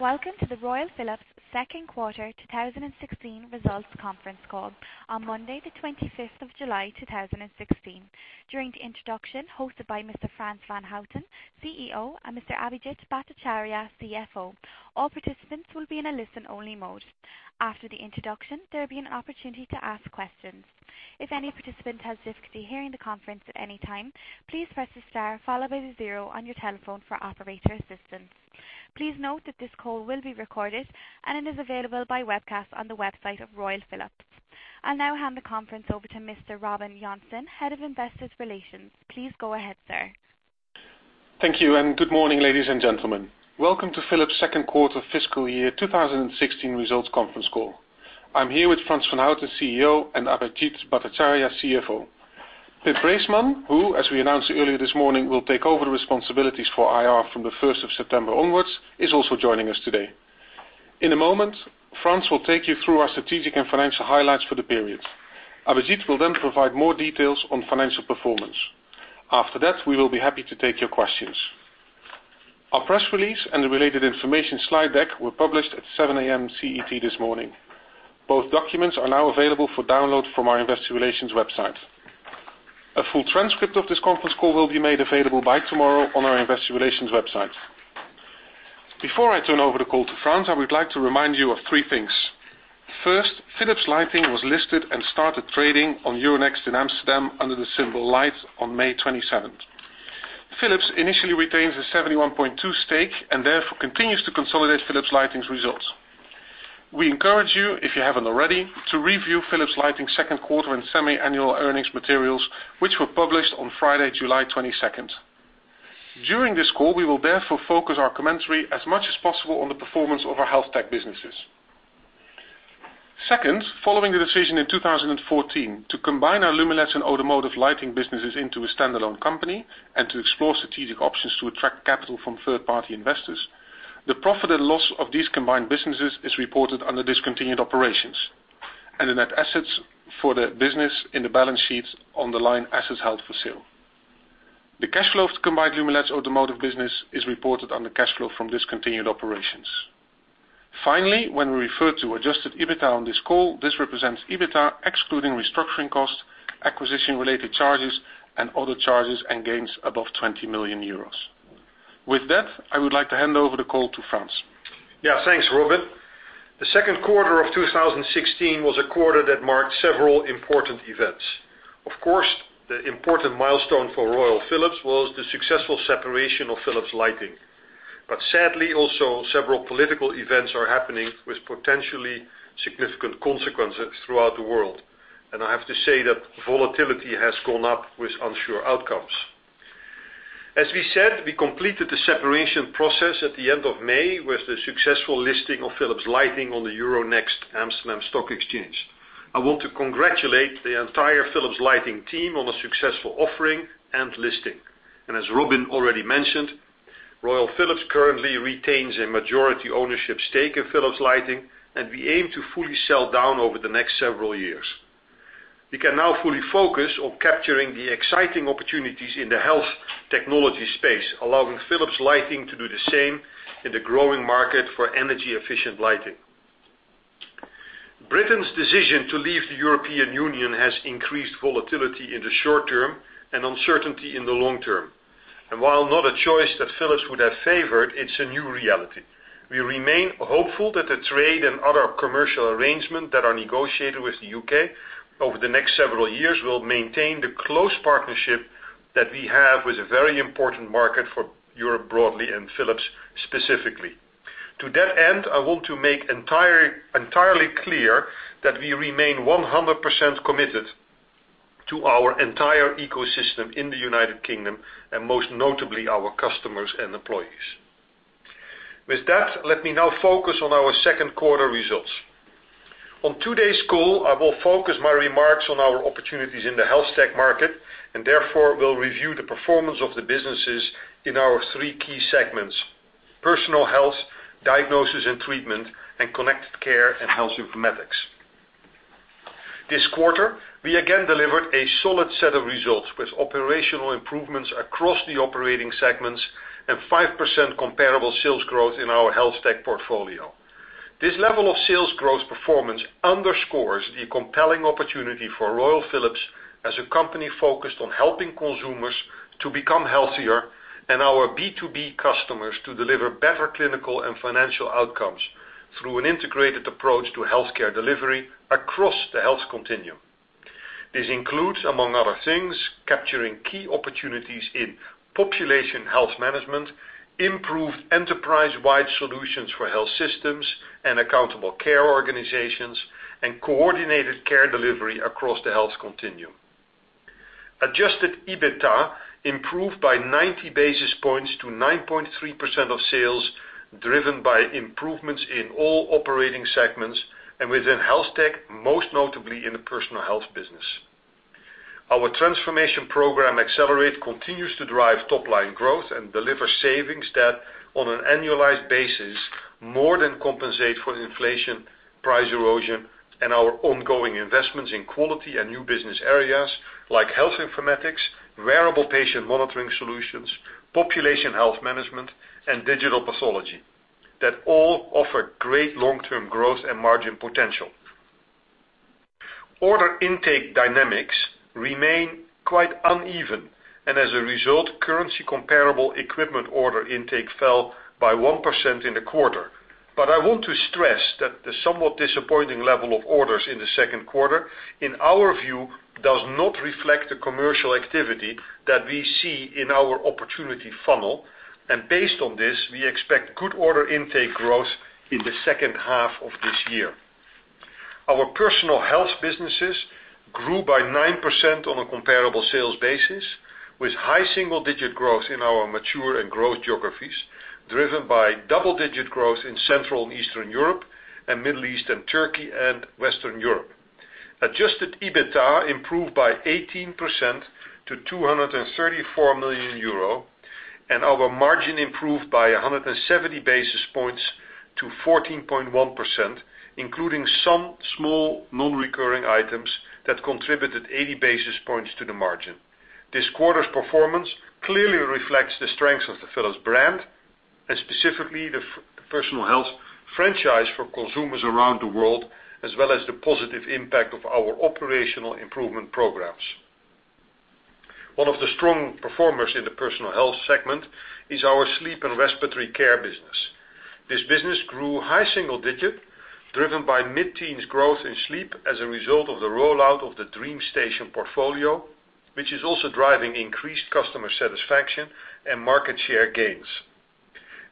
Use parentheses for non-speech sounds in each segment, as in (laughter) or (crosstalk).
Welcome to the Royal Philips second quarter 2016 results conference call on Monday, July 25th, 2016. During the introduction, hosted by Frans van Houten, CEO, and Abhijit Bhattacharya, CFO, all participants will be in a listen-only mode. After the introduction, there will be an opportunity to ask questions. If any participant has difficulty hearing the conference at any time, please press the star followed by the zero on your telephone for operator assistance. Please note that this call will be recorded, and it is available by webcast on the website of Royal Philips. I will now hand the conference over to Robin Jansen, Head of Investor Relations. Please go ahead, sir. Thank you. Good morning, ladies and gentlemen. Welcome to Philips' second quarter fiscal year 2016 results conference call. I am here with Frans van Houten, CEO, and Abhijit Bhattacharya, CFO. Pim Preesman, who, as we announced earlier this morning, will take over the responsibilities for IR from September 1st onwards, is also joining us today. In a moment, Frans will take you through our strategic and financial highlights for the period. Abhijit will then provide more details on financial performance. After that, we will be happy to take your questions. Our press release and the related information slide deck were published at 7:00 A.M. CET this morning. Both documents are now available for download from our investor relations website. A full transcript of this conference call will be made available by tomorrow on our investor relations website. Before I turn over the call to Frans, I would like to remind you of three things. First, Philips Lighting was listed and started trading on Euronext Amsterdam under the symbol LIGHT on May 27th. Philips initially retains a 71.2 stake and therefore continues to consolidate Philips Lighting's results. We encourage you, if you haven't already, to review Philips Lighting's second quarter and semi-annual earnings materials, which were published on Friday, July 22nd. During this call, we will therefore focus our commentary as much as possible on the performance of our HealthTech businesses. Second, following the decision in 2014 to combine our Lumileds and automotive lighting businesses into a standalone company and to explore strategic options to attract capital from third-party investors, the profit and loss of these combined businesses is reported under discontinued operations, and the net assets for the business in the balance sheet on the line asset held for sale. The cash flow of the combined Lumileds automotive business is reported under cash flow from discontinued operations. Finally, when we refer to adjusted EBITDA on this call, this represents EBITDA excluding restructuring costs, acquisition-related charges, and other charges and gains above 20 million euros. With that, I would like to hand over the call to Frans. Thanks, Robin. The second quarter of 2016 was a quarter that marked several important events. Of course, the important milestone for Royal Philips was the successful separation of Philips Lighting. Sadly, several political events are happening with potentially significant consequences throughout the world. I have to say that volatility has gone up with unsure outcomes. As we said, we completed the separation process at the end of May with the successful listing of Philips Lighting on the Euronext Amsterdam Stock Exchange. I want to congratulate the entire Philips Lighting team on a successful offering and listing. As Robin Jansen already mentioned, Royal Philips currently retains a majority ownership stake in Philips Lighting, and we aim to fully sell down over the next several years. We can now fully focus on capturing the exciting opportunities in the health technology space, allowing Philips Lighting to do the same in the growing market for energy-efficient lighting. Britain's decision to leave the European Union has increased volatility in the short term and uncertainty in the long term. While not a choice that Philips would have favored, it's a new reality. We remain hopeful that the trade and other commercial arrangement that are negotiated with the U.K. over the next several years will maintain the close partnership that we have with a very important market for Europe broadly and Philips specifically. To that end, I want to make entirely clear that we remain 100% committed to our entire ecosystem in the U.K., and most notably our customers and employees. With that, let me now focus on our second quarter results. On today's call, I will focus my remarks on our opportunities in the HealthTech market and therefore will review the performance of the businesses in our three key segments: Personal Health, Diagnosis and Treatment, and Connected Care and Health Informatics. This quarter, we again delivered a solid set of results with operational improvements across the operating segments and 5% comparable sales growth in our HealthTech portfolio. This level of sales growth performance underscores the compelling opportunity for Royal Philips as a company focused on helping consumers to become healthier and our B2B customers to deliver better clinical and financial outcomes through an integrated approach to healthcare delivery across the health continuum. This includes, among other things, capturing key opportunities in population health management, improved enterprise-wide solutions for health systems and accountable care organizations, and coordinated care delivery across the health continuum. Adjusted EBITDA improved by 90 basis points to 9.3% of sales, driven by improvements in all operating segments and within HealthTech, most notably in the Personal Health business. Our transformation program, Accelerate!, continues to drive top-line growth and deliver savings that, on an annualized basis, more than compensate for inflation, price erosion, and our ongoing investments in quality and new business areas like health informatics, wearable patient monitoring solutions, population health management, and digital pathology. That all offer great long-term growth and margin potential. Order intake dynamics remain quite uneven, as a result, currency comparable equipment order intake fell by 1% in the quarter. I want to stress that the somewhat disappointing level of orders in the second quarter, in our view, does not reflect the commercial activity that we see in our opportunity funnel. Based on this, we expect good order intake growth in the second half of this year. Our Personal Health businesses grew by 9% on a comparable sales basis, with high single-digit growth in our mature and growth geographies, driven by double-digit growth in Central and Eastern Europe, and Middle East and Turkey, and Western Europe. Adjusted EBITDA improved by 18% to 234 million euro, and our margin improved by 170 basis points to 14.1%, including some small non-recurring items that contributed 80 basis points to the margin. This quarter's performance clearly reflects the strengths of the Philips brand, and specifically the Personal Health franchise for consumers around the world, as well as the positive impact of our operational improvement programs. One of the strong performers in the Personal Health segment is our Sleep & Respiratory Care business. This business grew high single digit, driven by mid-teens growth in sleep as a result of the rollout of the DreamStation portfolio, which is also driving increased customer satisfaction and market share gains.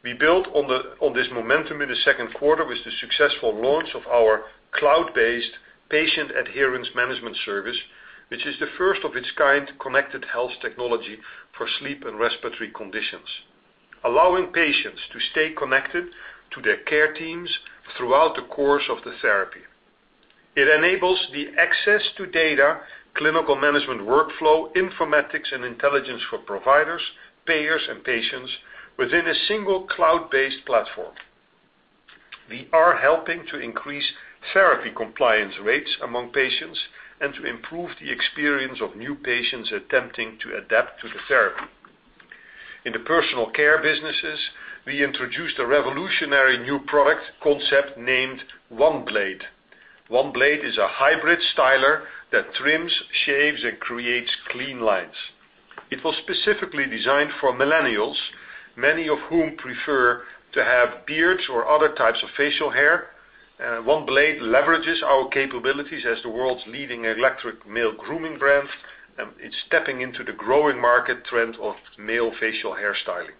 We built on this momentum in the second quarter with the successful launch of our cloud-based patient adherence management service, which is the first of its kind connected health technology for sleep and respiratory conditions, allowing patients to stay connected to their care teams throughout the course of the therapy. It enables the access to data, clinical management workflow, informatics and intelligence for providers, payers, and patients within a single cloud-based platform. We are helping to increase therapy compliance rates among patients and to improve the experience of new patients attempting to adapt to the therapy. In the Personal Care businesses, we introduced a revolutionary new product concept named OneBlade. OneBlade is a hybrid styler that trims, shaves, and creates clean lines. It was specifically designed for millennials, many of whom prefer to have beards or other types of facial hair. OneBlade leverages our capabilities as the world's leading electric male grooming brand, and it's stepping into the growing market trend of male facial hair styling.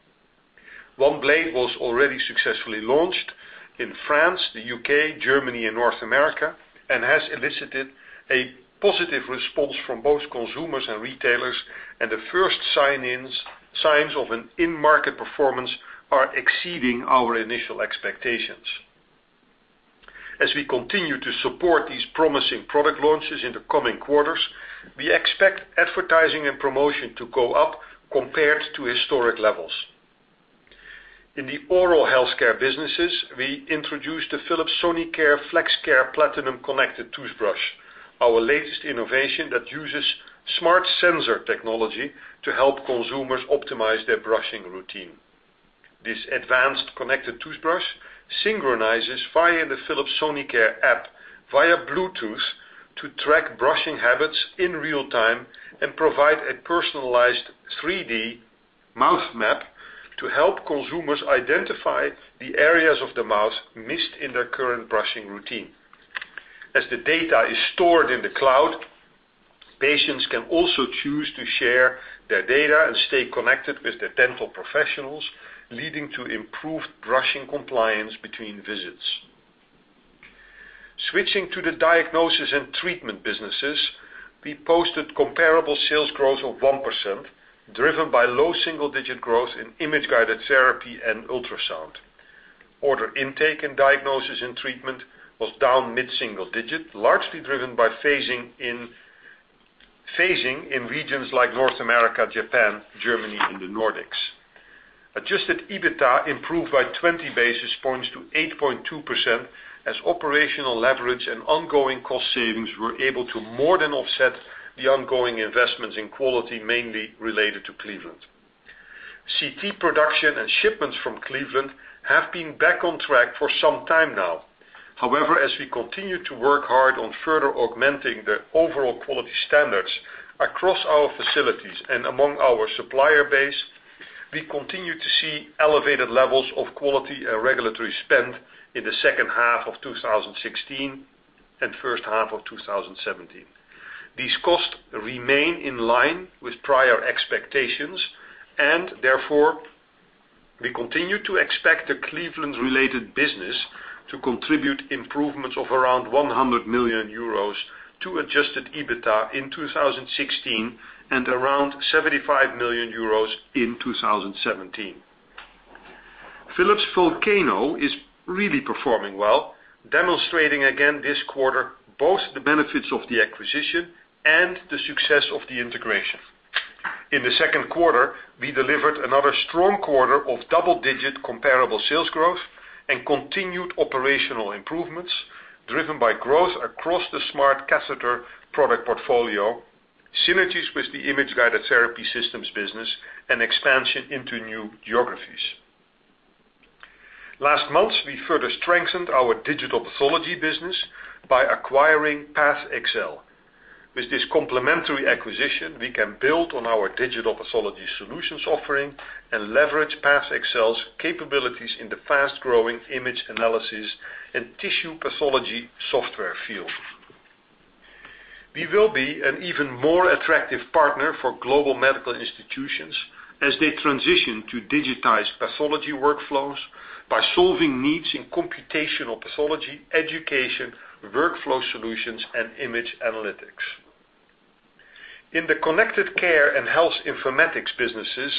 OneBlade was already successfully launched in France, the U.K., Germany, and North America, and has elicited a positive response from both consumers and retailers, and the first signs of an in-market performance are exceeding our initial expectations. As we continue to support these promising product launches in the coming quarters, we expect advertising and promotion to go up compared to historic levels. In the Oral Healthcare businesses, we introduced the Philips Sonicare FlexCare Platinum Connected toothbrush, our latest innovation that uses smart sensor technology to help consumers optimize their brushing routine. This advanced connected toothbrush synchronizes via the Philips Sonicare app via Bluetooth to track brushing habits in real time and provide a personalized 3D mouth map to help consumers identify the areas of the mouth missed in their current brushing routine. As the data is stored in the cloud, patients can also choose to share their data and stay connected with their dental professionals, leading to improved brushing compliance between visits. Switching to the Diagnosis & Treatment businesses, we posted comparable sales growth of 1%, driven by low single-digit growth in Image-Guided Therapy and ultrasound. Order intake and Diagnosis & Treatment was down mid-single digit, largely driven by phasing in regions like North America, Japan, Germany, and the Nordics. Adjusted EBITDA improved by 20 basis points to 8.2% as operational leverage and ongoing cost savings were able to more than offset the ongoing investments in quality, mainly related to Cleveland. CT production and shipments from Cleveland have been back on track for some time now. However, as we continue to work hard on further augmenting the overall quality standards across our facilities and among our supplier base, we continue to see elevated levels of quality and regulatory spend in the second half of 2016 and first half of 2017. These costs remain in line with prior expectations, therefore, we continue to expect the Cleveland-related business to contribute improvements of around 100 million euros to adjusted EBITDA in 2016 and around 75 million euros in 2017. Philips Volcano is really performing well, demonstrating again this quarter both the benefits of the acquisition and the success of the integration. In the second quarter, we delivered another strong quarter of double-digit comparable sales growth and continued operational improvements, driven by growth across the smart catheter product portfolio. Synergies with the image-guided therapy systems business and expansion into new geographies. Last month, we further strengthened our digital pathology business by acquiring PathXL. With this complementary acquisition, we can build on our digital pathology solutions offering and leverage PathXL's capabilities in the fast-growing image analysis and tissue pathology software field. We will be an even more attractive partner for global medical institutions as they transition to digitized pathology workflows by solving needs in computational pathology, education, workflow solutions, and image analytics. In the connected care and health informatics businesses,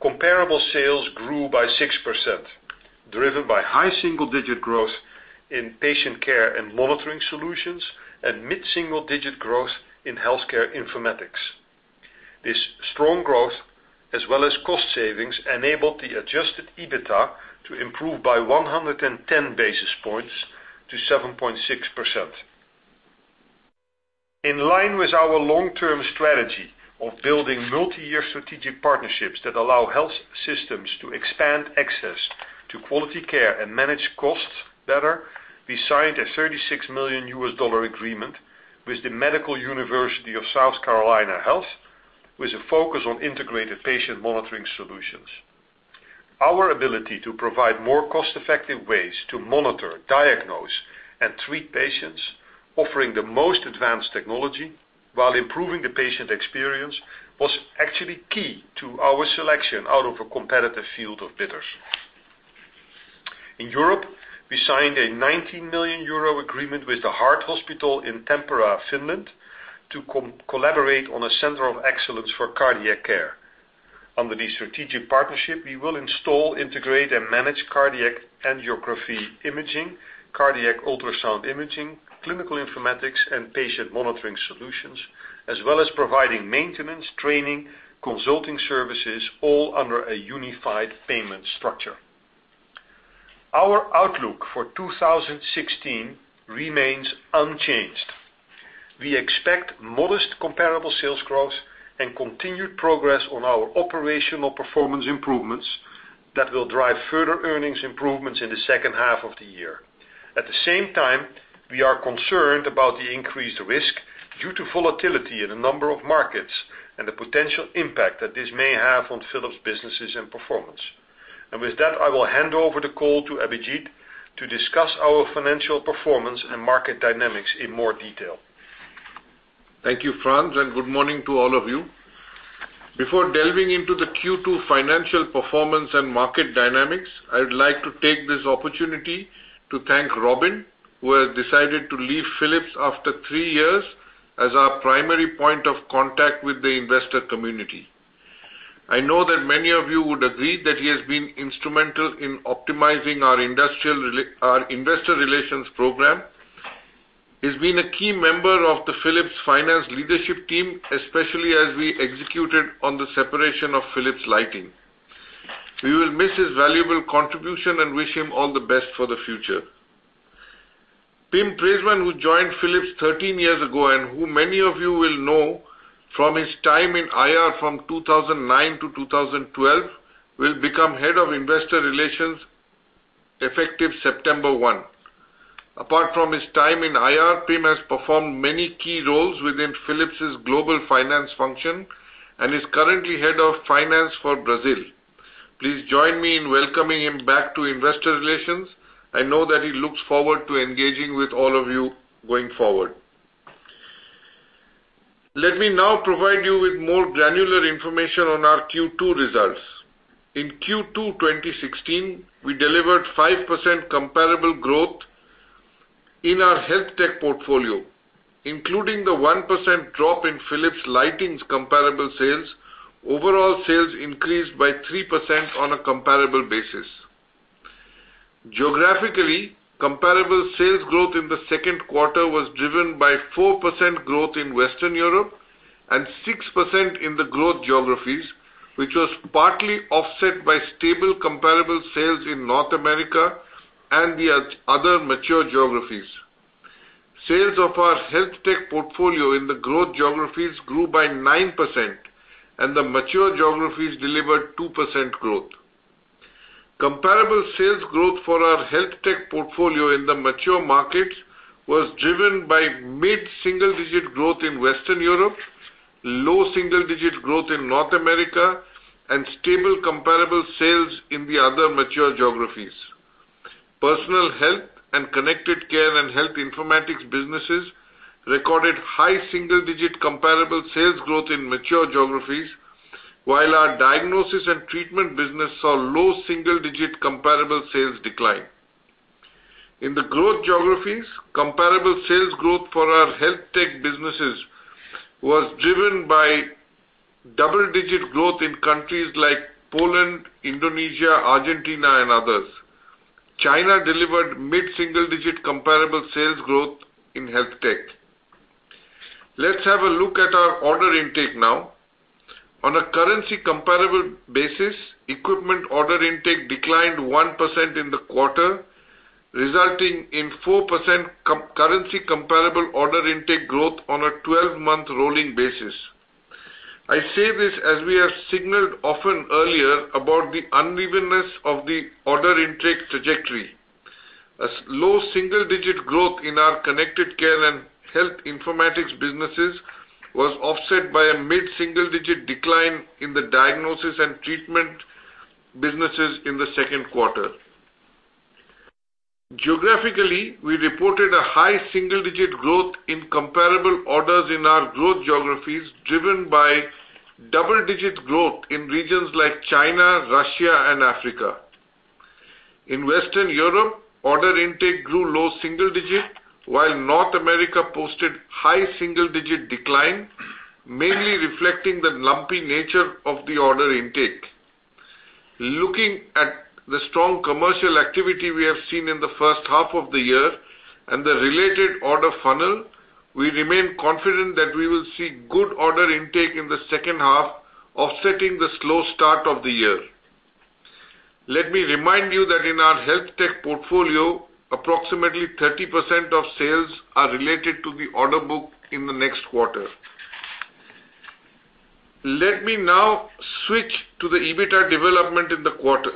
comparable sales grew by 6%, driven by high single-digit growth in patient care and monitoring solutions and mid-single digit growth in healthcare informatics. This strong growth, as well as cost savings, enabled the adjusted EBITDA to improve by 110 basis points to 7.6%. In line with our long-term strategy of building multi-year strategic partnerships that allow health systems to expand access to quality care and manage costs better, we signed a $36 million agreement with the Medical University of South Carolina Health with a focus on integrated patient monitoring solutions. Our ability to provide more cost-effective ways to monitor, diagnose, and treat patients, offering the most advanced technology while improving the patient experience, was actually key to our selection out of a competitive field of bidders. In Europe, we signed a 19 million euro agreement with the Heart Hospital in Tampere, Finland, to collaborate on a center of excellence for cardiac care. Under the strategic partnership, we will install, integrate, and manage cardiac angiography imaging, cardiac ultrasound imaging, clinical informatics, and patient monitoring solutions, as well as providing maintenance, training, consulting services, all under a unified payment structure. Our outlook for 2016 remains unchanged. We expect modest comparable sales growth and continued progress on our operational performance improvements that will drive further earnings improvements in the second half of the year. At the same time, we are concerned about the increased risk due to volatility in a number of markets and the potential impact that this may have on Philips' businesses and performance. With that, I will hand over the call to Abhijit to discuss our financial performance and market dynamics in more detail. Thank you, Frans, and good morning to all of you. Before delving into the Q2 financial performance and market dynamics, I would like to take this opportunity to thank Robin, who has decided to leave Philips after three years as our primary point of contact with the investor community. I know that many of you would agree that he has been instrumental in optimizing our investor relations program. He has been a key member of the Philips finance leadership team, especially as we executed on the separation of Philips Lighting. We will miss his valuable contribution and wish him all the best for the future. Pim Preesman, who joined Philips 13 years ago and who many of you will know from his time in IR from 2009 to 2012, will become head of investor relations effective September 1. Apart from his time in IR, Pim has performed many key roles within Philips' global finance function and is currently head of finance for Brazil. Please join me in welcoming him back to investor relations. I know that he looks forward to engaging with all of you going forward. Let me now provide you with more granular information on our Q2 results. In Q2 2016, we delivered 5% comparable growth in our health tech portfolio. Including the 1% drop in Philips Lighting's comparable sales, overall sales increased by 3% on a comparable basis. Geographically, comparable sales growth in the second quarter was driven by 4% growth in Western Europe and 6% in the growth geographies, which was partly offset by stable comparable sales in North America and the other mature geographies. Sales of our health tech portfolio in the growth geographies grew by 9%. The mature geographies delivered 2% growth. Comparable sales growth for our health tech portfolio in the mature markets was driven by mid-single digit growth in Western Europe, low single-digit growth in North America, and stable comparable sales in the other mature geographies. Personal health and connected care and health informatics businesses recorded high single-digit comparable sales growth in mature geographies, while our diagnosis and treatment business saw low single-digit comparable sales decline. In the growth geographies, comparable sales growth for our health tech businesses was driven by double-digit growth in countries like Poland, Indonesia, Argentina, and others. China delivered mid-single digit comparable sales growth in health tech. Let's have a look at our order intake now. On a currency comparable basis, equipment order intake declined 1% in the quarter, resulting in 4% currency comparable order intake growth on a 12-month rolling basis. I say this as we have signaled often earlier about the unevenness of the order intake trajectory. A low single-digit growth in our connected care and health informatics businesses was offset by a mid-single-digit decline in the diagnosis and treatment businesses in the second quarter. Geographically, we reported a high single-digit growth in comparable orders in our growth geographies, driven by double-digit growth in regions like China, Russia, and Africa. In Western Europe, order intake grew low single digit, while North America posted high single-digit decline, mainly reflecting the lumpy nature of the order intake. Looking at the strong commercial activity we have seen in the first half of the year and the related order funnel, we remain confident that we will see good order intake in the second half offsetting the slow start of the year. Let me remind you that in our health tech portfolio, approximately 30% of sales are related to the order book in the next quarter. Let me now switch to the EBITDA development in the quarter.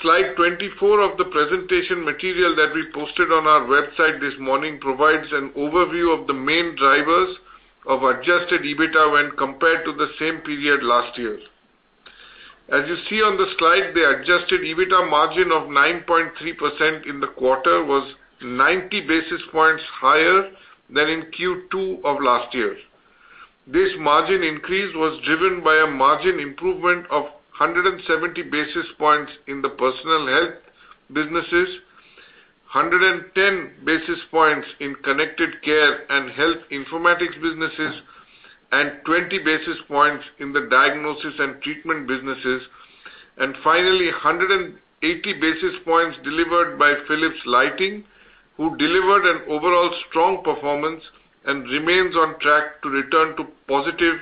Slide 24 of the presentation material that we posted on our website this morning provides an overview of the main drivers of adjusted EBITDA when compared to the same period last year. As you see on the slide, the adjusted EBITDA margin of 9.3% in the quarter was 90 basis points higher than in Q2 of last year. This margin increase was driven by a margin improvement of 170 basis points in the Personal Health businesses, 110 basis points in Connected Care and Health Informatics businesses, and 20 basis points in the Diagnosis & Treatment businesses, and finally, 180 basis points delivered by Philips Lighting, who delivered an overall strong performance and remains on track to return to positive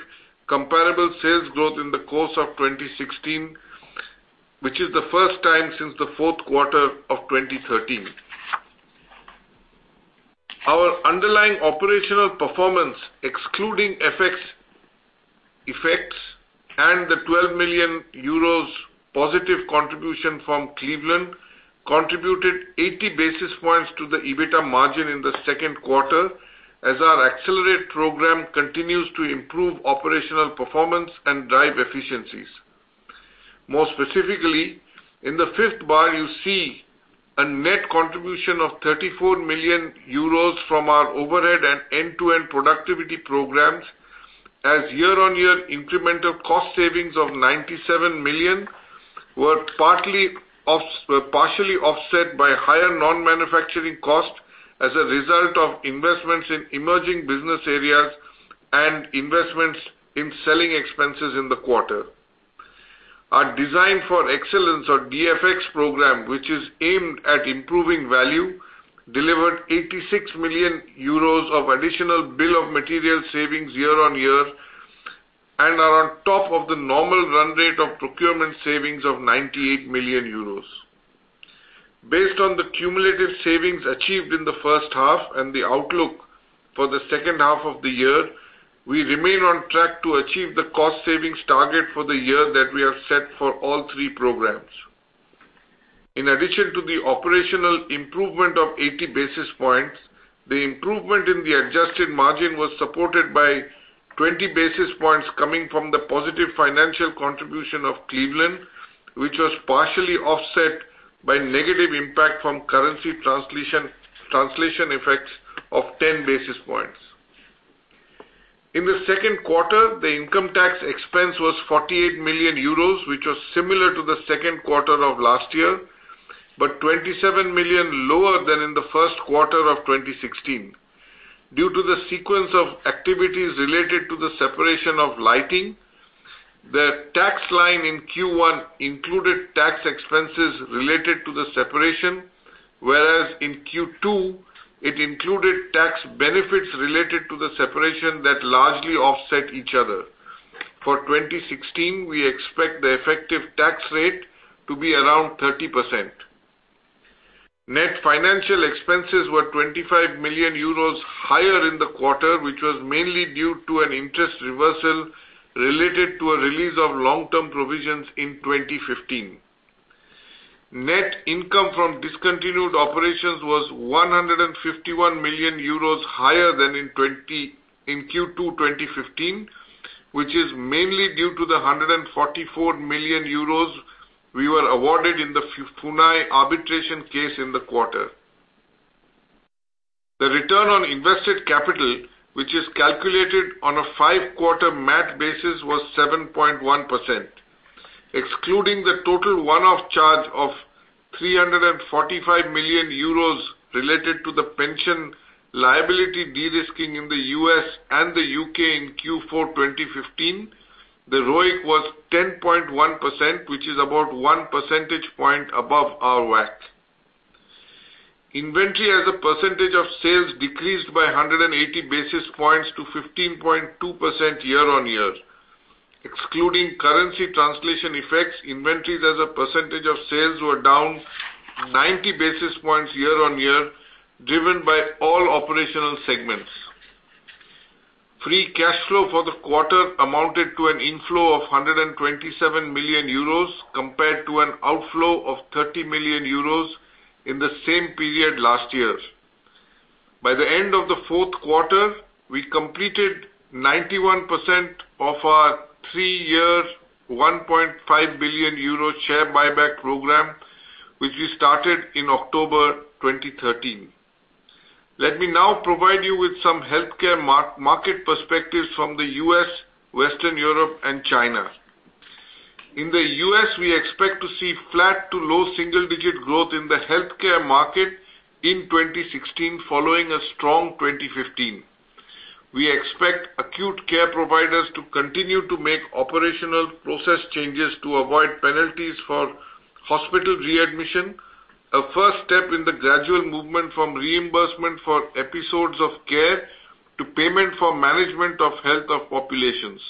comparable sales growth in the course of 2016, which is the first time since the fourth quarter of 2013. Our underlying operational performance, excluding FX effects and the 12 million euros positive contribution from Cleveland, contributed 80 basis points to the EBITDA margin in the second quarter, as our Accelerate! program continues to improve operational performance and drive efficiencies. More specifically, in the fifth bar, you see a net contribution of 34 million euros from our overhead and end-to-end productivity programs as year-on-year incremental cost savings of 97 million were partially offset by higher non-manufacturing costs as a result of investments in emerging business areas and investments in selling expenses in the quarter. Our Design for Excellence, or DfX program, which is aimed at improving value, delivered 86 million euros of additional bill of material savings year-on-year and are on top of the normal run rate of procurement savings of 98 million euros. Based on the cumulative savings achieved in the first half and the outlook for the second half of the year, we remain on track to achieve the cost savings target for the year that we have set for all three programs. In addition to the operational improvement of 80 basis points, the improvement in the adjusted margin was supported by 20 basis points coming from the positive financial contribution of Cleveland, which was partially offset by negative impact from currency translation effects of 10 basis points. In the second quarter, the income tax expense was 48 million euros, which was similar to the second quarter of last year, but 27 million lower than in the first quarter of 2016. Due to the sequence of activities related to the separation of Lighting, the tax line in Q1 included tax expenses related to the separation, whereas in Q2, it included tax benefits related to the separation that largely offset each other. For 2016, we expect the effective tax rate to be around 30%. Net financial expenses were €25 million higher in the quarter, which was mainly due to an interest reversal related to a release of long-term provisions in 2015. Net income from discontinued operations was €151 million higher than in Q2 2015, which is mainly due to the €144 million we were awarded in the Funai arbitration case in the quarter. The return on invested capital, which is calculated on a five-quarter math basis, was 7.1%, excluding the total one-off charge of €345 million related to the pension liability de-risking in the U.S. and the U.K. in Q4 2015. The ROIC was 10.1%, which is about one percentage point above our WACC. Inventory as a percentage of sales decreased by 180 basis points to 15.2% year-on-year. Excluding currency translation effects, inventories as a percentage of sales were down 90 basis points year-on-year, driven by all operational segments. Free cash flow for the quarter amounted to an inflow of 127 million euros compared to an outflow of 30 million euros in the same period last year. By the end of the fourth quarter, we completed 91% of our three-year, 1.5 billion euro share buyback program, which we started in October 2013. Let me now provide you with some healthcare market perspectives from the U.S., Western Europe, and China. In the U.S., we expect to see flat to low single-digit growth in the healthcare market in 2016 following a strong 2015. We expect acute care providers to continue to make operational process changes to avoid penalties for hospital readmission, a first step in the gradual movement from reimbursement for episodes of care to payment for management of health of populations.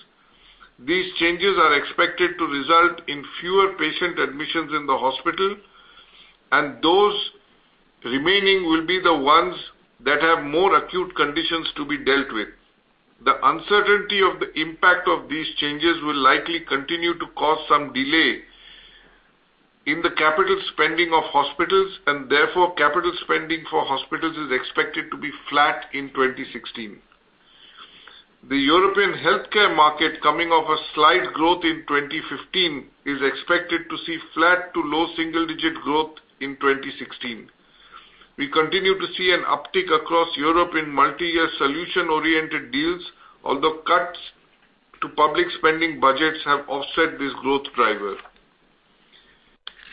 These changes are expected to result in fewer patient admissions in the hospital, and those remaining will be the ones that have more acute conditions to be dealt with. The uncertainty of the impact of these changes will likely continue to cause some delay in the capital spending of hospitals. Therefore, capital spending for hospitals is expected to be flat in 2016. The European healthcare market, coming off a slight growth in 2015, is expected to see flat to low double-digit growth in 2016. We continue to see an uptick across Europe in multiyear solution-oriented deals, although cuts to public spending budgets have offset this growth driver.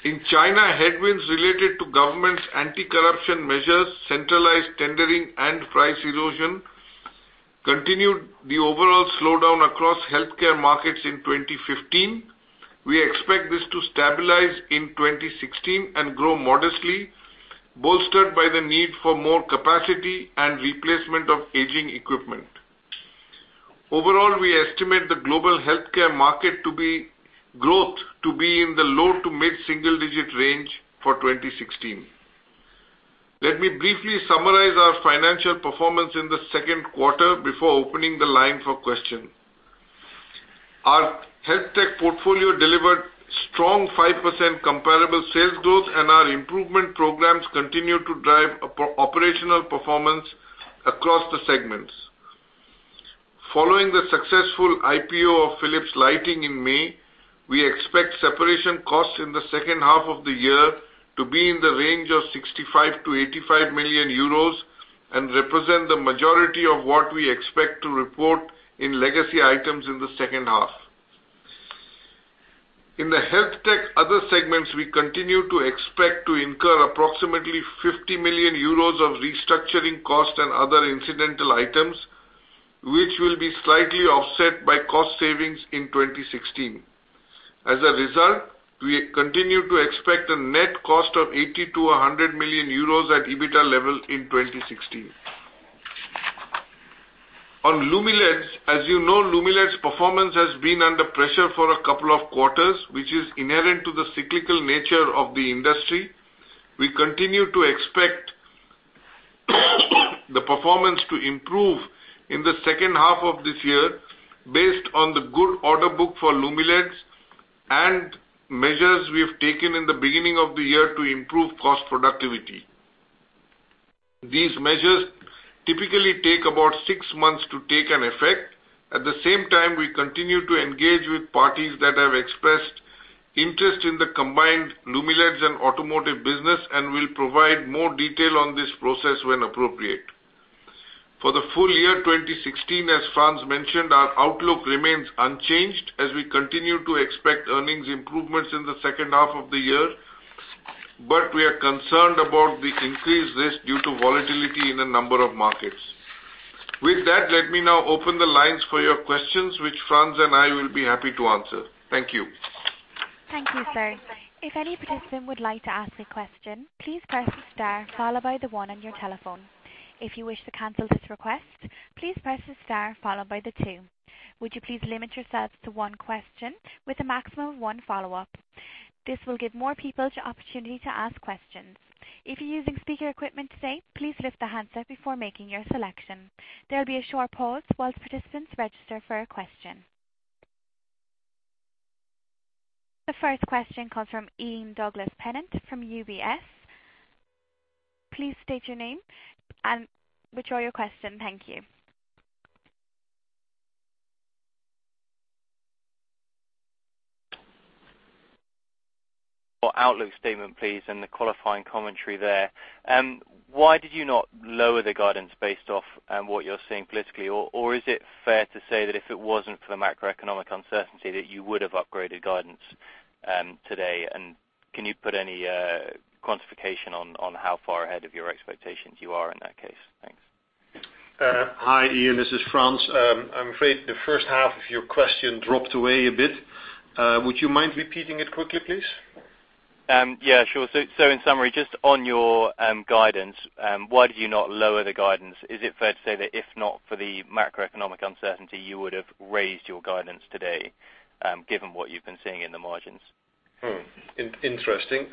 In China, headwinds related to government's anti-corruption measures, centralized tendering, and price erosion continued the overall slowdown across healthcare markets in 2015. We expect this to stabilize in 2016 and grow modestly, bolstered by the need for more capacity and replacement of aging equipment. Overall, we estimate the global healthcare market growth to be in the low to mid single-digit range for 2016. Let me briefly summarize our financial performance in the second quarter before opening the line for questions. Our Healthtech portfolio delivered strong 5% comparable sales growth. Our improvement programs continue to drive operational performance across the segments. Following the successful IPO of Philips Lighting in May, we expect separation costs in the second half of the year to be in the range of 65 million-85 million euros and represent the majority of what we expect to report in legacy items in the second half. In the Healthtech other segments, we continue to expect to incur approximately 50 million euros of restructuring costs and other incidental items, which will be slightly offset by cost savings in 2016. As a result, we continue to expect a net cost of 80 million-100 million euros at EBITDA level in 2016. On Lumileds, as you know, Lumileds performance has been under pressure for a couple of quarters, which is inherent to the cyclical nature of the industry. We continue to expect the performance to improve in the second half of this year based on the good order book for Lumileds and measures we have taken in the beginning of the year to improve cost productivity. These measures typically take about six months to take an effect. At the same time, we continue to engage with parties that have expressed interest in the combined Lumileds and automotive business and will provide more detail on this process when appropriate. For the full year 2016, as Frans mentioned, our outlook remains unchanged as we continue to expect earnings improvements in the second half of the year. We are concerned about the increased risk due to volatility in a number of markets. With that, let me now open the lines for your questions, which Frans and I will be happy to answer. Thank you. Thank you, sir. If any participant would like to ask a question, please press star followed by the one on your telephone. If you wish to cancel this request, please press star followed by the two. Would you please limit yourselves to one question with a maximum of one follow-up. This will give more people the opportunity to ask questions. If you're using speaker equipment today, please lift the handset before making your selection. There'll be a short pause while participants register for a question. The first question comes from Ian Douglas-Pennant from UBS. Please state your name and withdraw your question. Thank you. Outlook statement, please. The qualifying commentary there. Why did you not lower the guidance based off what you're seeing politically? Is it fair to say that if it wasn't for the macroeconomic uncertainty that you would have upgraded guidance today? Can you put any quantification on how far ahead of your expectations you are in that case? Thanks. Hi, Ian, this is Frans. I'm afraid the first half of your question dropped away a bit. Would you mind repeating it quickly, please? Yeah, sure. In summary, just on your guidance, why did you not lower the guidance? Is it fair to say that if not for the macroeconomic uncertainty, you would have raised your guidance today, given what you've been seeing in the margins? Interesting.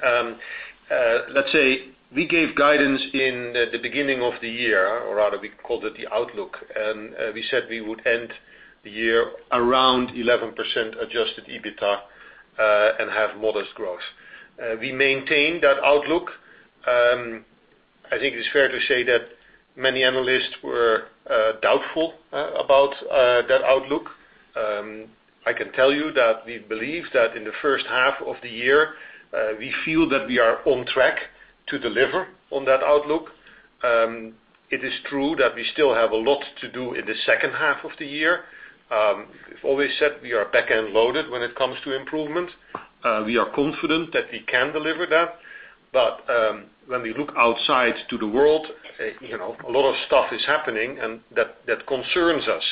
Let's say we gave guidance in the beginning of the year, or rather we called it the outlook, and we said we would end the year around 11% adjusted EBITDA, and have modest growth. We maintained that outlook. I think it's fair to say that many analysts were doubtful about that outlook. I can tell you that we believe that in the first half of the year, we feel that we are on track to deliver on that outlook. It is true that we still have a lot to do in the second half of the year. We've always said we are back-end loaded when it comes to improvement. We are confident that we can deliver that. When we look outside to the world, a lot of stuff is happening. That concerns us.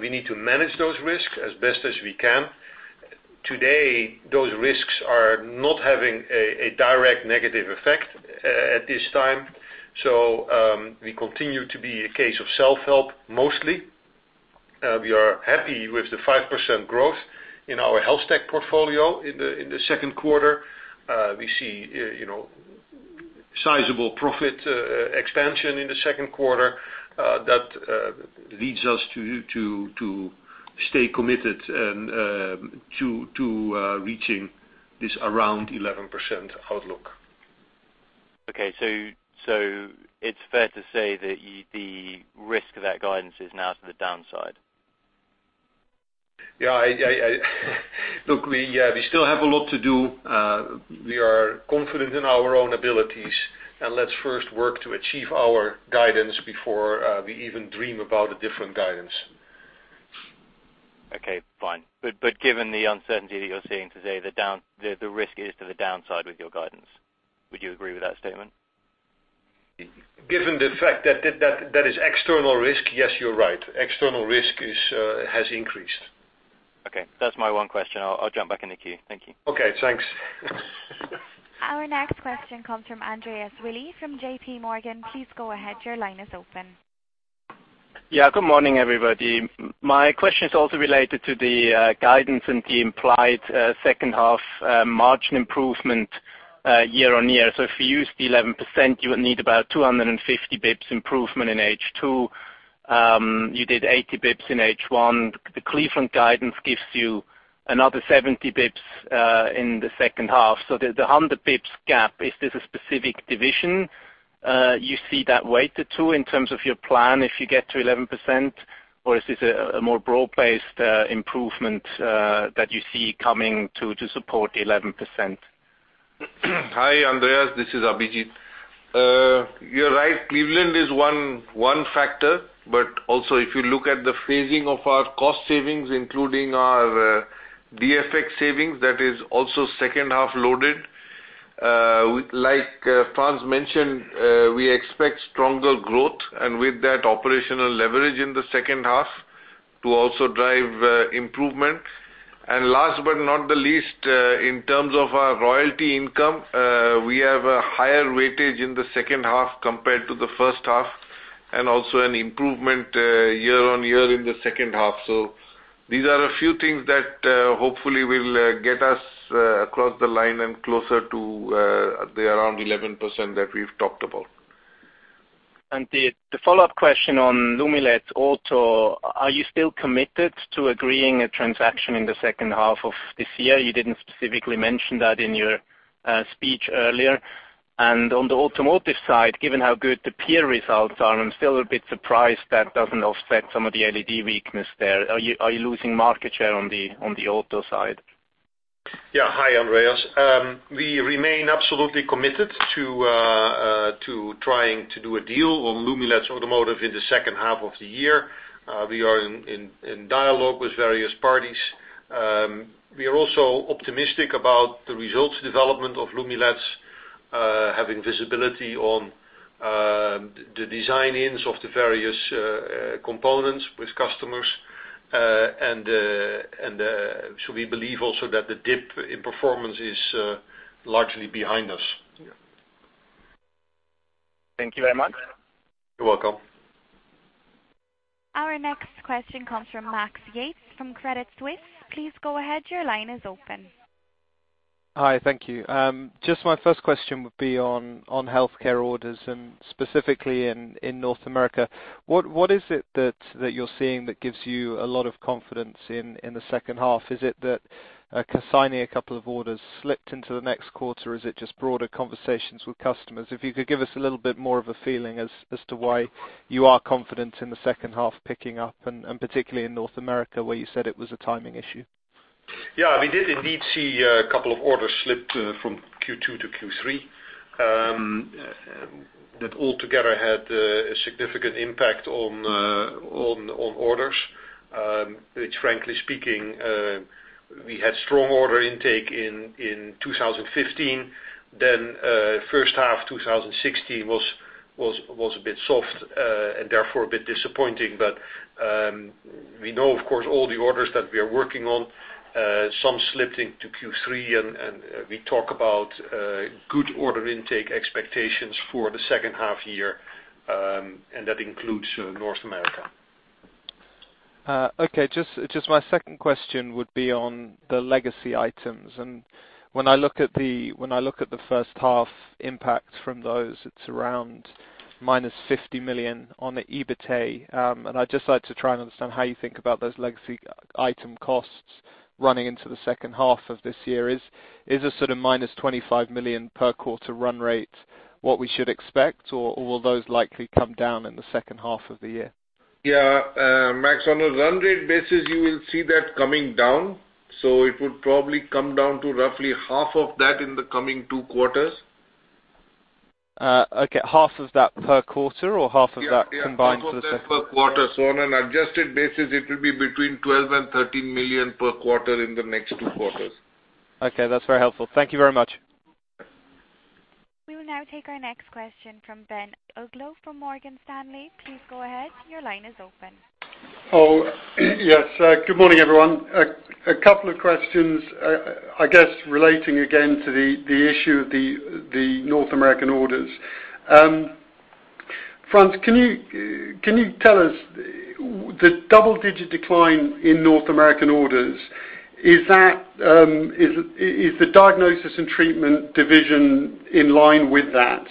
We need to manage those risks as best as we can. Today, those risks are not having a direct negative effect at this time. We continue to be a case of self-help, mostly. We are happy with the 5% growth in our Health Tech portfolio in the second quarter. We see sizable profit expansion in the second quarter. That leads us to stay committed to reaching this around 11% outlook. Okay. It's fair to say that the risk of that guidance is now to the downside? Yeah. Look, we still have a lot to do. We are confident in our own abilities, and let's first work to achieve our guidance before we even dream about a different guidance. Okay, fine. Given the uncertainty that you're seeing today, the risk is to the downside with your guidance. Would you agree with that statement? Given the fact that that is external risk, yes, you're right. External risk has increased. Okay. That's my one question. I'll jump back in the queue. Thank you. Okay, thanks. Our next question comes from Andreas Willi from JPMorgan. Please go ahead. Your line is open. Good morning, everybody. My question is also related to the guidance and the implied second half margin improvement year-on-year. If you use the 11%, you would need about 250 basis points improvement in H2. You did 80 basis points in H1. The Cleveland guidance gives you another 70 basis points in the second half. The 100 basis points gap, is this a specific division you see that weighted to in terms of your plan if you get to 11%? Or is this a more broad-based improvement, that you see coming to support 11%? Hi, Andreas, this is Abhijit. You're right, Cleveland is one factor. Also, if you look at the phasing of our cost savings, including our DfX savings, that is also second half loaded. Like Frans mentioned, we expect stronger growth and with that operational leverage in the second half to also drive improvement. Last but not the least, in terms of our royalty income, we have a higher weightage in the second half compared to the first half, and also an improvement year-on-year in the second half. These are a few things that hopefully will get us across the line and closer to the around 11% that we've talked about. The follow-up question on Lumileds auto, are you still committed to agreeing a transaction in the second half of this year? You didn't specifically mention that in your speech earlier. On the automotive side, given how good the peer results are, I'm still a bit surprised that doesn't offset some of the LED weakness there. Are you losing market share on the auto side? Hi, Andreas. We remain absolutely committed to trying to do a deal on Lumileds Automotive in the second half of the year. We are in dialogue with various parties. We are also optimistic about the results development of Lumileds, having visibility on the design-ins of the various components with customers. We believe also that the dip in performance is largely behind us. Thank you very much. You're welcome. Our next question comes from Max Yates from Credit Suisse. Please go ahead. Your line is open. Hi. Thank you. Just my first question would be on healthcare orders and specifically in North America. What is it that you're seeing that gives you a lot of confidence in the second half? Is it that signing a couple of orders slipped into the next quarter, or is it just broader conversations with customers? If you could give us a little bit more of a feeling as to why you are confident in the second half picking up, and particularly in North America where you said it was a timing issue. Yeah, we did indeed see a couple of orders slip from Q2 to Q3. That altogether had a significant impact on orders. Which frankly speaking, we had strong order intake in 2015. First half 2016 was a bit soft, and therefore a bit disappointing. We know, of course, all the orders that we are working on, some slipped into Q3, and we talk about good order intake expectations for the second half year, and that includes North America. Okay. Just my second question would be on the legacy items. When I look at the first half impact from those, it is around -50 million on the EBITDA. I'd just like to try and understand how you think about those legacy item costs running into the second half of this year. Is a sort of -25 million per quarter run rate what we should expect, or will those likely come down in the second half of the year? Yeah. Max, on a run rate basis, you will see that coming down. It would probably come down to roughly half of that in the coming two quarters. Okay. Half of that per quarter or half of that combined? Yeah. Half of that per quarter. On an adjusted basis, it will be between 12 million and 13 million per quarter in the next two quarters. Okay. That's very helpful. Thank you very much. We will now take our next question from Ben Uglow from Morgan Stanley. Please go ahead. Your line is open. Yes. Good morning, everyone. A couple of questions, I guess relating again to the issue of the North American orders. Frans, can you tell us, the double-digit decline in North American orders, is the Diagnosis & Treatment division in line with that?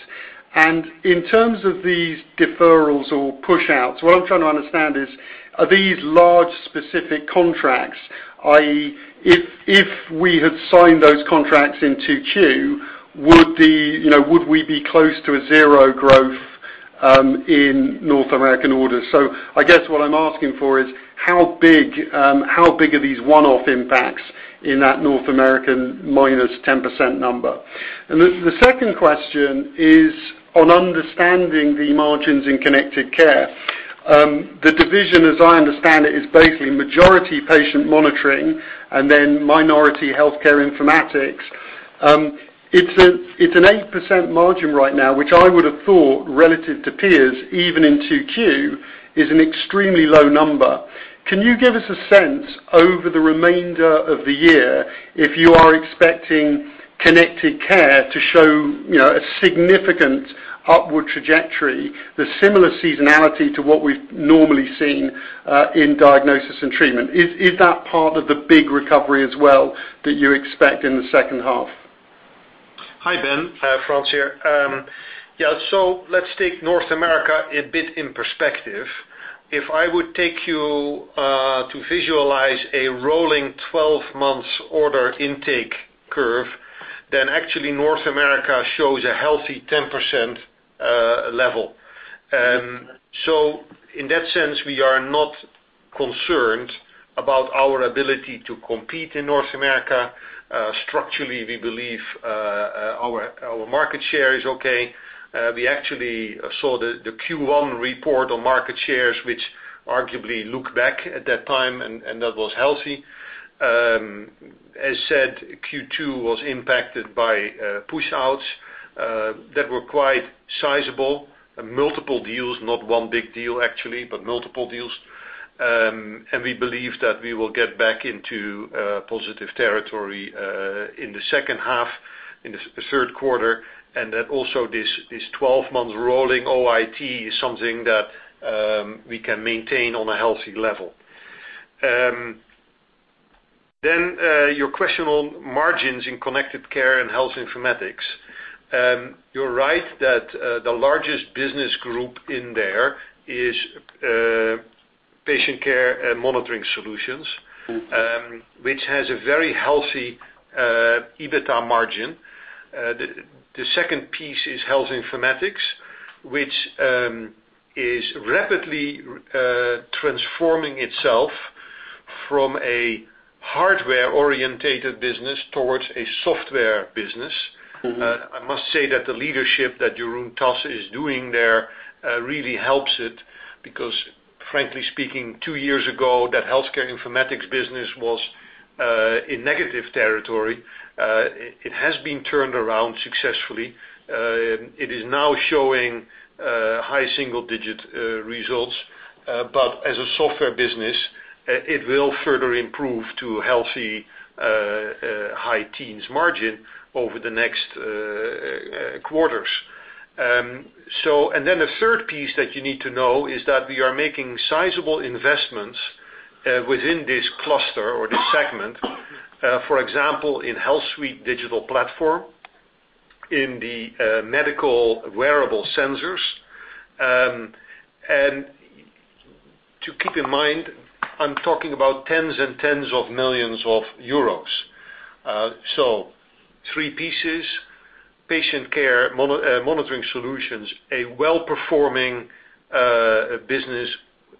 In terms of these deferrals or push-outs, what I'm trying to understand is, are these large specific contracts, i.e., if we had signed those contracts in 2Q, would we be close to a zero growth in North American orders? I guess what I'm asking for is, how big are these one-off impacts in that North American minus 10% number? The second question is on understanding the margins in Connected Care. The division, as I understand it, is basically majority patient monitoring and then minority Health Informatics. It's an 8% margin right now, which I would have thought, relative to peers, even in 2Q, is an extremely low number. Can you give us a sense over the remainder of the year if you are expecting Connected Care to show a significant upward trajectory, the similar seasonality to what we've normally seen in Diagnosis & Treatment? Is that part of the big recovery as well that you expect in the second half? Hi, Ben. Frans here. Yeah. Let's take North America a bit in perspective. If I would take you to visualize a rolling 12-month order intake curve, then actually North America shows a healthy 10% level. In that sense, we are not concerned about our ability to compete in North America. Structurally, we believe our market share is okay. We actually saw the Q1 report on market shares, which arguably looked back at that time, and that was healthy. As said, Q2 was impacted by push-outs that were quite sizable. Multiple deals, not one big deal actually, but multiple deals. We believe that we will get back into positive territory in the second half, in the third quarter, and that also this 12-month rolling OIT is something that we can maintain on a healthy level. Your question on margins in Connected Care and Health Informatics. You're right that the largest business group in there is Patient Care and Monitoring Solutions, which has a very healthy EBITDA margin. The second piece is Health Informatics, which is rapidly transforming itself from a hardware-orientated business towards a software business. I must say that the leadership that Jeroen Tas is doing there really helps it because frankly speaking, two years ago, that Health Informatics business was in negative territory. It has been turned around successfully. It is now showing high single-digit results. As a software business, it will further improve to healthy high teens margin over the next quarters. The third piece that you need to know is that we are making sizable investments within this cluster or this segment. For example, in HealthSuite digital platform, in the medical wearable sensors. To keep in mind, I'm talking about tens and tens of millions of EUR. Three pieces, Patient Care and Monitoring Solutions, a well-performing business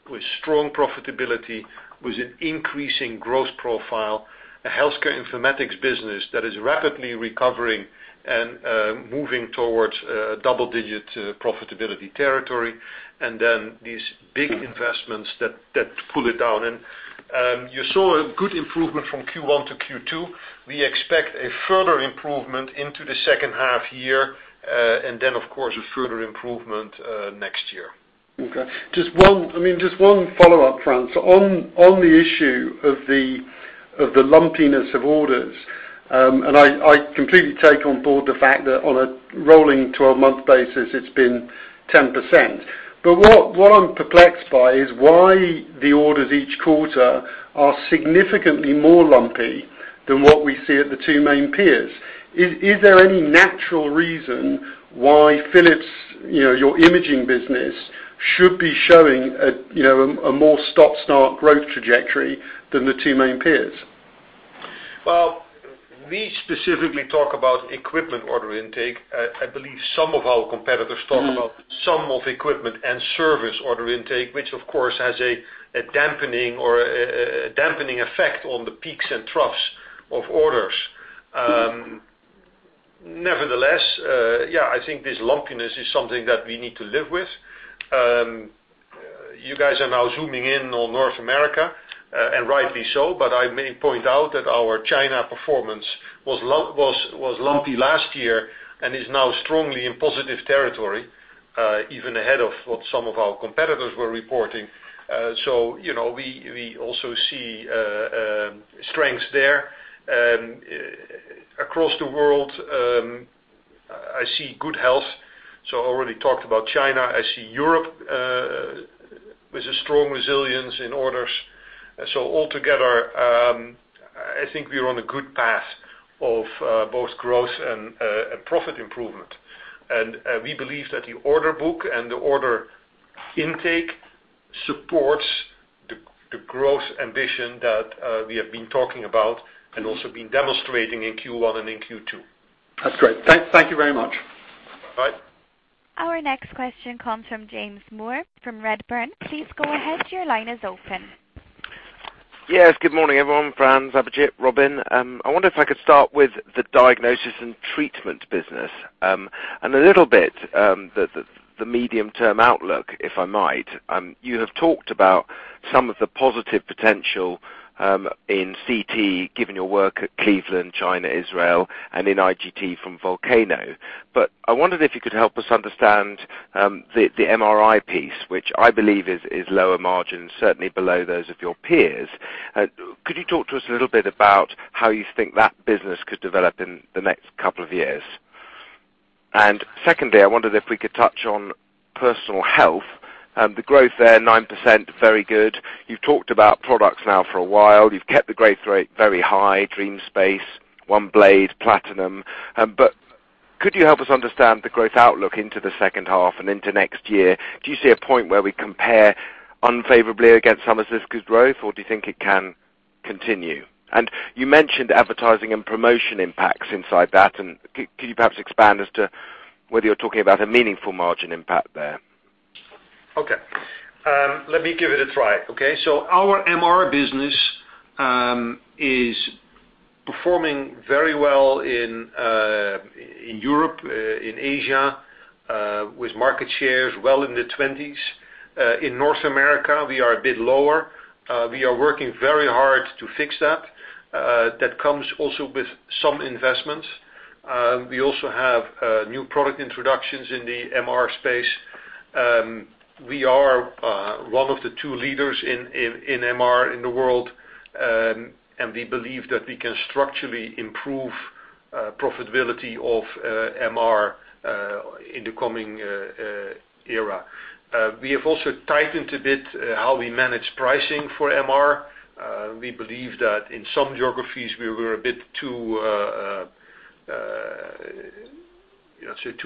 with strong profitability, with an increasing growth profile. A Health Informatics business that is rapidly recovering and moving towards double-digit profitability territory, and then these big investments that pull it down. You saw a good improvement from Q1 to Q2. We expect a further improvement into the second half year, of course, a further improvement next year. Okay. Just one follow-up, Frans. On the issue of the lumpiness of orders, I completely take on board the fact that on a rolling 12-month basis, it's been 10%. What I am perplexed by is why the orders each quarter are significantly more lumpy than what we see at the two main peers. Is there any natural reason why Philips, your imaging business, should be showing a more stop-start growth trajectory than the two main peers? Well, we specifically talk about equipment order intake. I believe some of our competitors talk about some of equipment and service order intake, which of course has a dampening effect on the peaks and troughs of orders. Nevertheless, yeah, I think this lumpiness is something that we need to live with. You guys are now zooming in on North America, and rightly so, but I may point out that our China performance was lumpy last year and is now strongly in positive territory, even ahead of what some of our competitors were reporting. We also see strengths there. Across the world, I see good health. I already talked about China. I see Europe with a strong resilience in orders. Altogether, I think we are on a good path of both growth and profit improvement. We believe that the order book and the order intake supports the growth ambition that we have been talking about and also been demonstrating in Q1 and in Q2. That's great. Thank you very much. Bye. Our next question comes from James Moore from Redburn. Please go ahead. Your line is open. Yes, good morning, everyone. Frans, Abhijit, Robin. I wonder if I could start with the Diagnosis & Treatment business. A little bit, the medium-term outlook, if I might. You have talked about some of the positive potential, in CT, given your work at Cleveland, China, Israel, and in IGT from Volcano. I wondered if you could help us understand the MRI piece, which I believe is lower margin, certainly below those of your peers. Could you talk to us a little bit about how you think that business could develop in the next couple of years? Secondly, I wondered if we could touch on personal health. The growth there, 9%, very good. You've talked about products now for a while. You've kept the growth rate very high, DreamStation, OneBlade, Platinum. Could you help us understand the growth outlook into the second half and into next year? Do you see a point where we compare unfavorably against some of (audio distortion) growth, or do you think it can continue? You mentioned advertising and promotion impacts inside that, and could you perhaps expand as to whether you're talking about a meaningful margin impact there? Okay. Let me give it a try. Our MR business, is performing very well in Europe, in Asia, with market shares well in the 20s. In North America, we are a bit lower. We are working very hard to fix that. That comes also with some investments. We also have new product introductions in the MR space. We are one of the two leaders in MR in the world, and we believe that we can structurally improve profitability of MR, in the coming era. We have also tightened a bit how we manage pricing for MR. We believe that in some geographies, we were a bit too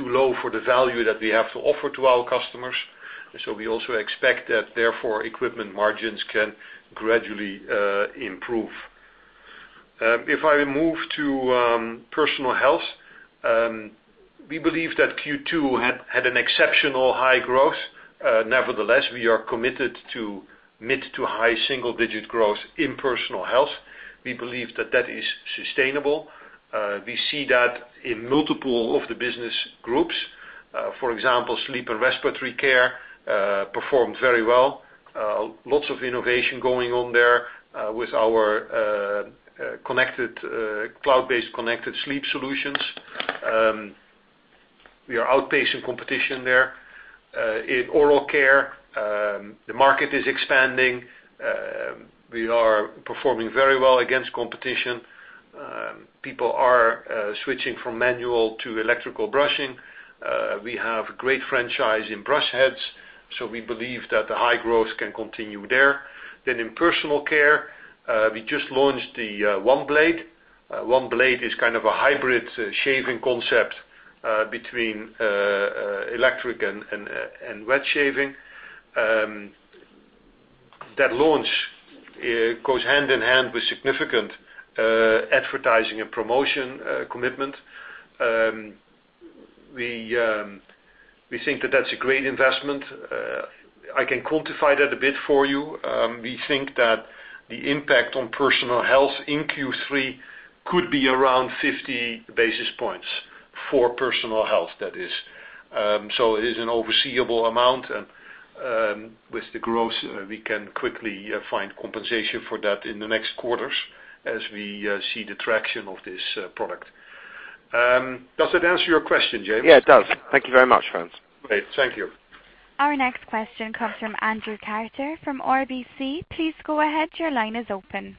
low for the value that we have to offer to our customers. We also expect that therefore, equipment margins can gradually improve. If I move to personal health, we believe that Q2 had an exceptional high growth. Nevertheless, we are committed to mid to high single-digit growth in personal health. We believe that that is sustainable. We see that in multiple of the business groups. For example, sleep and respiratory care performed very well. Lots of innovation going on there, with our cloud-based connected sleep solutions. We are outpacing competition there. In oral care, the market is expanding. We are performing very well against competition. People are switching from manual to electrical brushing. We have great franchise in brush heads. We believe that the high growth can continue there. In personal care, we just launched the OneBlade. OneBlade is kind of a hybrid shaving concept between electric and wet shaving. That launch goes hand in hand with significant advertising and promotion commitment. We think that that's a great investment. I can quantify that a bit for you. We think that the impact on personal health in Q3 could be around 50 basis points. For personal health, that is. It is an overseeable amount, and with the growth, we can quickly find compensation for that in the next quarters as we see the traction of this product. Does that answer your question, James? Yeah, it does. Thank you very much, Frans. Okay. Thank you. Our next question comes from Andrew Carter from RBC. Please go ahead. Your line is open.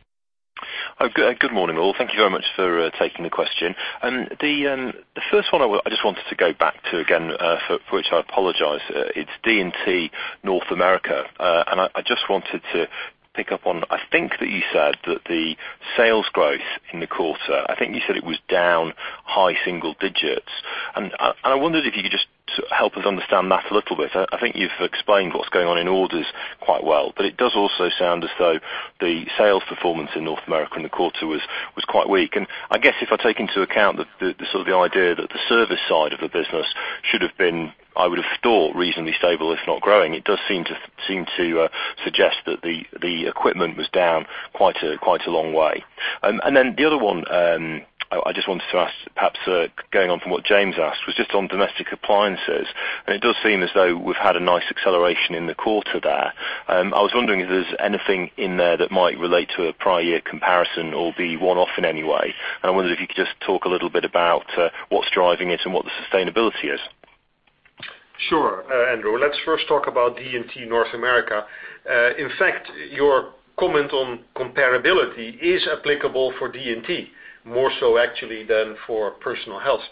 Good morning, all. Thank you very much for taking the question. The first one I just wanted to go back to again, for which I apologize. It's D&T North America. I just wanted to pick up on, I think that you said that the sales growth in the quarter, I think you said it was down high single digits. I wondered if you could just help us understand that a little bit. I think you've explained what's going on in orders quite well, but it does also sound as though the sales performance in North America in the quarter was quite weak. I guess if I take into account the sort of idea that the service side of the business should have been, I would have thought, reasonably stable, if not growing, it does seem to suggest that the equipment was down quite a long way. The other one I just wanted to ask, perhaps going on from what James asked, was just on Domestic Appliances. It does seem as though we've had a nice acceleration in the quarter there. I was wondering if there's anything in there that might relate to a prior year comparison or be one-off in any way. I wondered if you could just talk a little bit about what's driving it and what the sustainability is. Sure, Andrew. Let's first talk about D&T North America. In fact, your comment on comparability is applicable for D&T, more so actually than for personal health.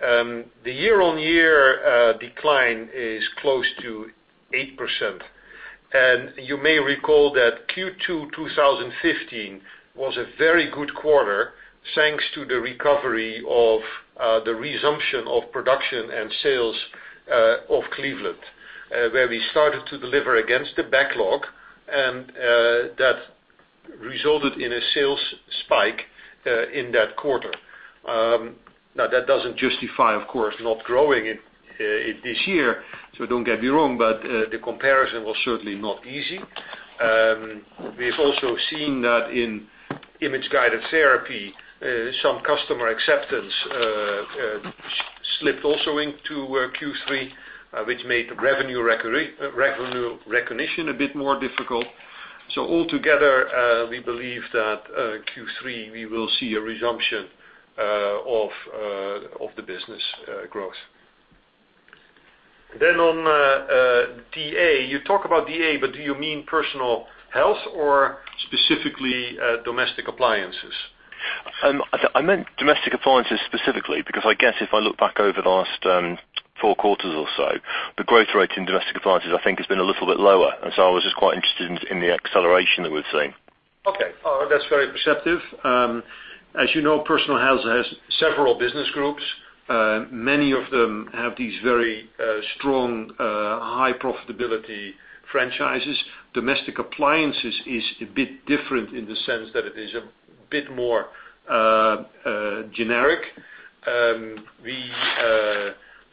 The year-over-year decline is close to 8%. You may recall that Q2 2015 was a very good quarter, thanks to the recovery of the resumption of production and sales of Cleveland, where we started to deliver against the backlog, and that resulted in a sales spike in that quarter. Now, that doesn't justify, of course, not growing it this year, so don't get me wrong, but the comparison was certainly not easy. We've also seen that in Image-Guided Therapy, some customer acceptance slipped also into Q3, which made revenue recognition a bit more difficult. Altogether, we believe that Q3, we will see a resumption of the business growth. On DA, you talk about DA, but do you mean Personal Health or specifically Domestic Appliances? I meant Domestic Appliances specifically, because I guess if I look back over the last four quarters or so, the growth rate in Domestic Appliances, I think, has been a little bit lower. I was just quite interested in the acceleration that we've seen. Okay. That's very perceptive. As you know, Personal Health has several business groups. Many of them have these very strong, high profitability franchises. Domestic Appliances is a bit different in the sense that it is a bit more generic. We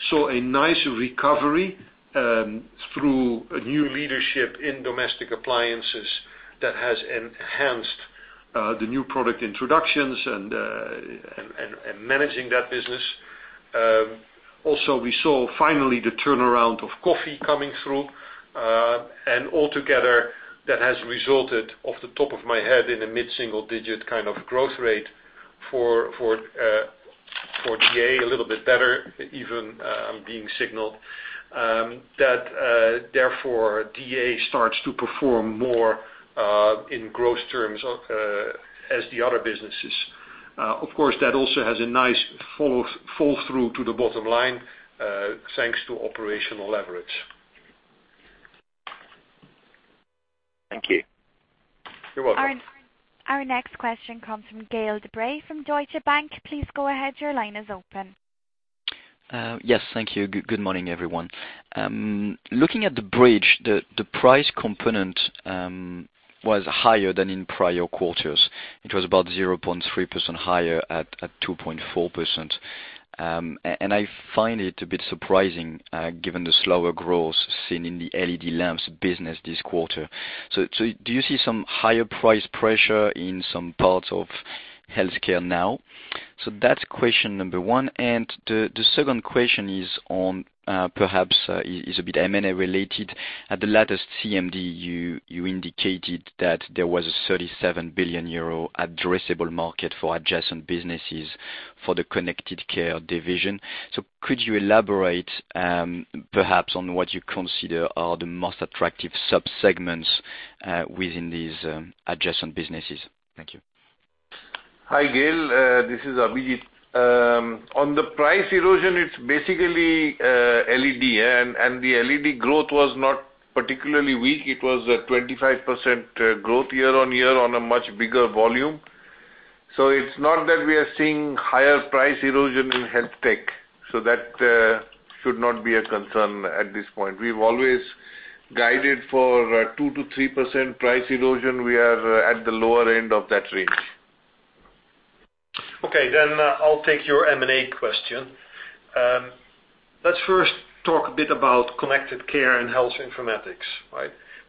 saw a nice recovery through a new leadership in Domestic Appliances that has enhanced the new product introductions and managing that business. Also, we saw finally the turnaround of coffee coming through, and altogether that has resulted, off the top of my head, in a mid-single digit kind of growth rate for DA, a little bit better even being signaled. That therefore DA starts to perform more in growth terms as the other businesses. Of course, that also has a nice fall through to the bottom line, thanks to operational leverage. Thank you. You're welcome. Our next question comes from Gaël de-Bray from Deutsche Bank. Please go ahead. Your line is open. Yes. Thank you. Good morning, everyone. Looking at the bridge, the price component was higher than in prior quarters. It was about 0.3% higher at 2.4%. I find it a bit surprising given the slower growth seen in the LED lamps business this quarter. Do you see some higher price pressure in some parts of healthcare now? That's question number one. The second question perhaps is a bit M&A related. At the latest CMD, you indicated that there was a 37 billion euro addressable market for adjacent businesses for the Connected Care division. Could you elaborate perhaps on what you consider are the most attractive subsegments within these adjacent businesses? Thank you. Hi, Gaël. This is Abhijit. On the price erosion, it's basically LED. The LED growth was not particularly weak. It was a 25% growth year-on-year on a much bigger volume. It's not that we are seeing higher price erosion in health tech. That should not be a concern at this point. We've always guided for 2%-3% price erosion. We are at the lower end of that range. Okay. I'll take your M&A question. Let's first talk a bit about Connected Care and Health Informatics.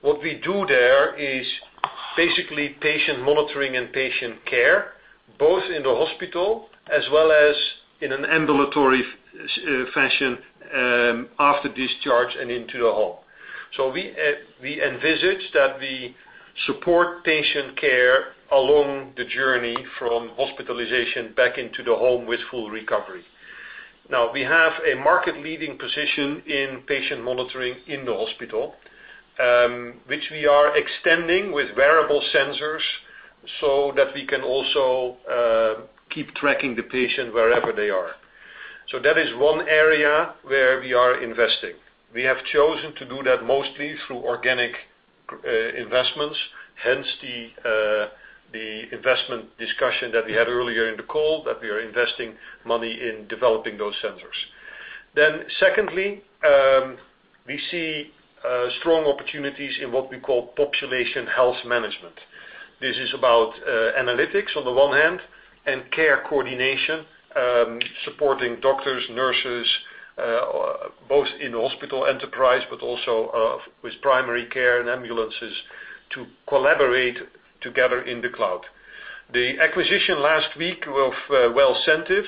What we do there is basically patient monitoring and patient care, both in the hospital as well as in an ambulatory fashion after discharge and into the home. We envisage that we support patient care along the journey from hospitalization back into the home with full recovery. Now, we have a market-leading position in patient monitoring in the hospital, which we are extending with wearable sensors so that we can also keep tracking the patient wherever they are. That is one area where we are investing. We have chosen to do that mostly through organic investments, hence the investment discussion that we had earlier in the call, that we are investing money in developing those centers. Secondly, we see strong opportunities in what we call population health management. This is about analytics on the one hand and care coordination, supporting doctors, nurses, both in hospital enterprise but also with primary care and ambulances to collaborate together in the cloud. The acquisition last week of Wellcentive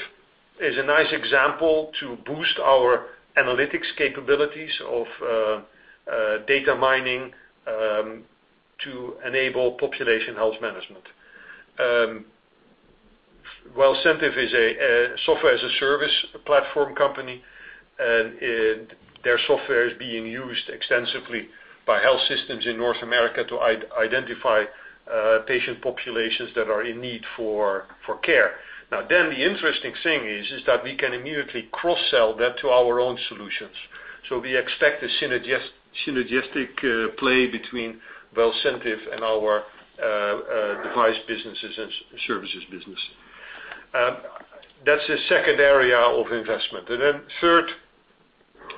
is a nice example to boost our analytics capabilities of data mining to enable population health management. Wellcentive is a software-as-a-service platform company, and their software is being used extensively by health systems in North America to identify patient populations that are in need of care. The interesting thing is that we can immediately cross-sell that to our own solutions. We expect a synergistic play between Wellcentive and our device businesses and services business. That's the second area of investment. Third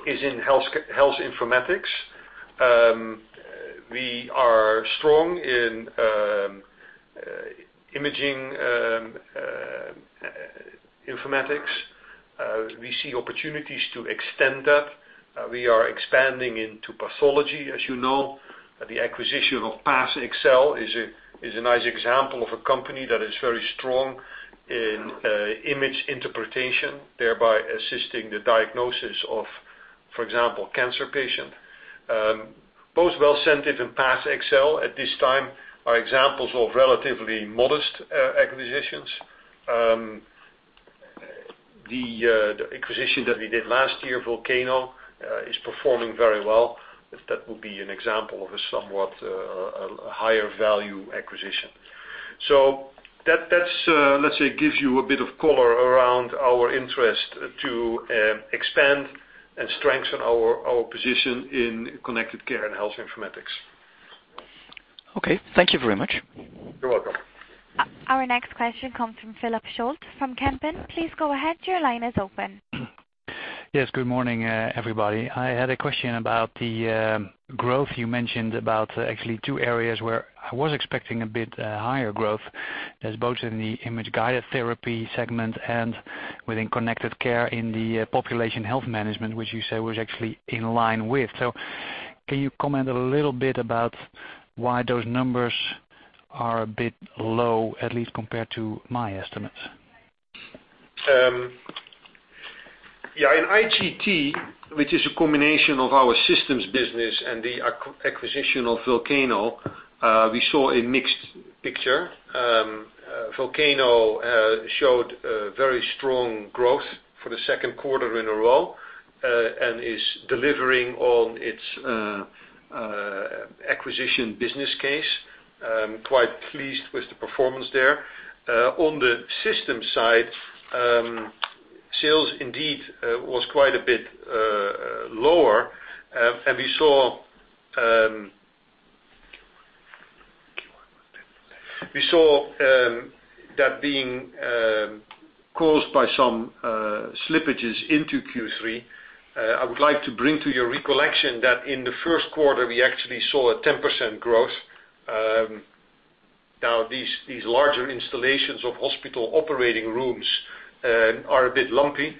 is in health informatics. We are strong in imaging informatics. We see opportunities to extend that. We are expanding into pathology, as you know. The acquisition of PathXL is a nice example of a company that is very strong in image interpretation, thereby assisting the diagnosis of, for example, cancer patients. Both Wellcentive and PathXL at this time are examples of relatively modest acquisitions. The acquisition that we did last year, Volcano, is performing very well. That would be an example of a somewhat higher value acquisition. That, let's say, gives you a bit of color around our interest to expand and strengthen our position in Connected Care and Health Informatics. Okay. Thank you very much. You're welcome. Our next question comes from Philip Scholte from Kempen. Please go ahead. Your line is open. Yes, good morning, everybody. I had a question about the growth you mentioned about actually two areas where I was expecting a bit higher growth. That is both in the Image-Guided Therapy segment and within Connected Care in the population health management, which you say was actually in line with. Can you comment a little bit about why those numbers are a bit low, at least compared to my estimates? In IGT, which is a combination of our systems business and the acquisition of Volcano, we saw a mixed picture. Volcano showed very strong growth for the second quarter in a row and is delivering on its acquisition business case. Quite pleased with the performance there. On the system side, sales indeed were quite a bit lower, and we saw that being caused by some slippages into Q3. I would like to bring to your recollection that in the first quarter, we actually saw a 10% growth. Now, these larger installations of hospital operating rooms are a bit lumpy.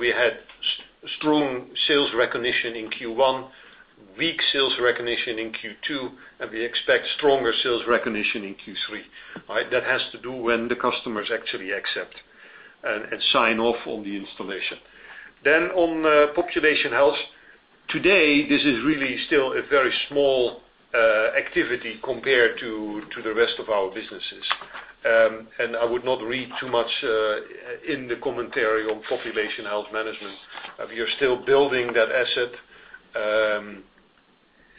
We had strong sales recognition in Q1, weak sales recognition in Q2, and we expect stronger sales recognition in Q3. That has to do when the customers actually accept and sign off on the installation. On population health, today, this is really still a very small activity compared to the rest of our businesses. I would not read too much in the commentary on population health management. We are still building that asset,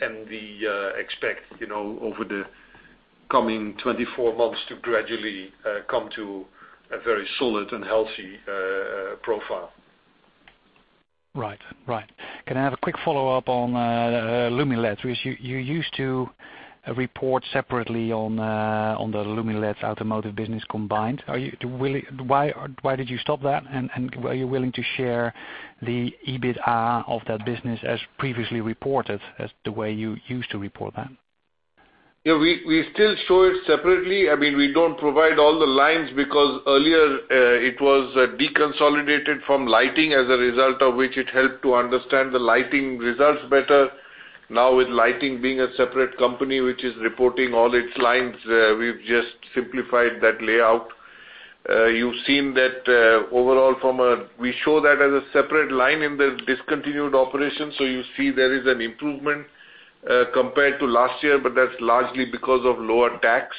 and we expect, over the coming 24 months, to gradually come to a very solid and healthy profile. Right. Can I have a quick follow-up on Lumileds? You used to report separately on the Lumileds automotive business combined. Why did you stop that, are you willing to share the EBITDA of that business as previously reported, as the way you used to report that? Yeah. We still show it separately. We don't provide all the lines because earlier it was deconsolidated from Lighting, as a result of which it helped to understand the Lighting results better. Now, with Lighting being a separate company, which is reporting all its lines, we've just simplified that layout. You've seen that overall, we show that as a separate line in the discontinued operations. You see there is an improvement, compared to last year, but that's largely because of lower tax.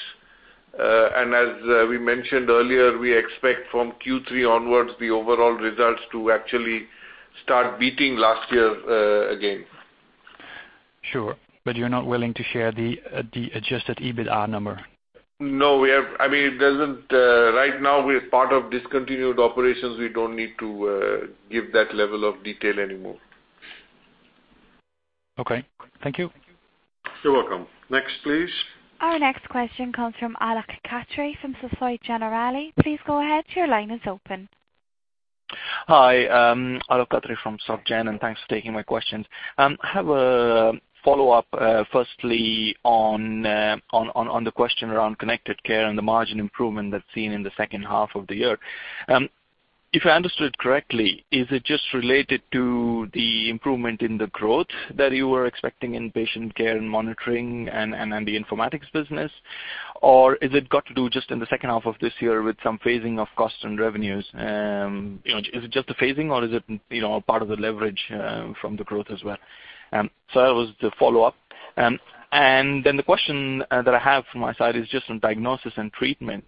As we mentioned earlier, we expect from Q3 onwards the overall results to actually start beating last year again. Sure. You're not willing to share the adjusted EBITDA number? No. Right now, we're part of discontinued operations. We don't need to give that level of detail anymore. Okay. Thank you. You're welcome. Next, please. Our next question comes from Alok Katre from Société Générale. Please go ahead. Your line is open. Hi, Alok Katre from SocGen, thanks for taking my questions. I have a follow-up, firstly, on the question around Connected Care and the margin improvement that's seen in the second half of the year. If I understood correctly, is it just related to the improvement in the growth that you were expecting in patient care and monitoring and the informatics business? Or is it got to do just in the second half of this year with some phasing of costs and revenues? Is it just a phasing or is it a part of the leverage from the growth as well? That was the follow-up. The question that I have from my side is just on Diagnosis & Treatment.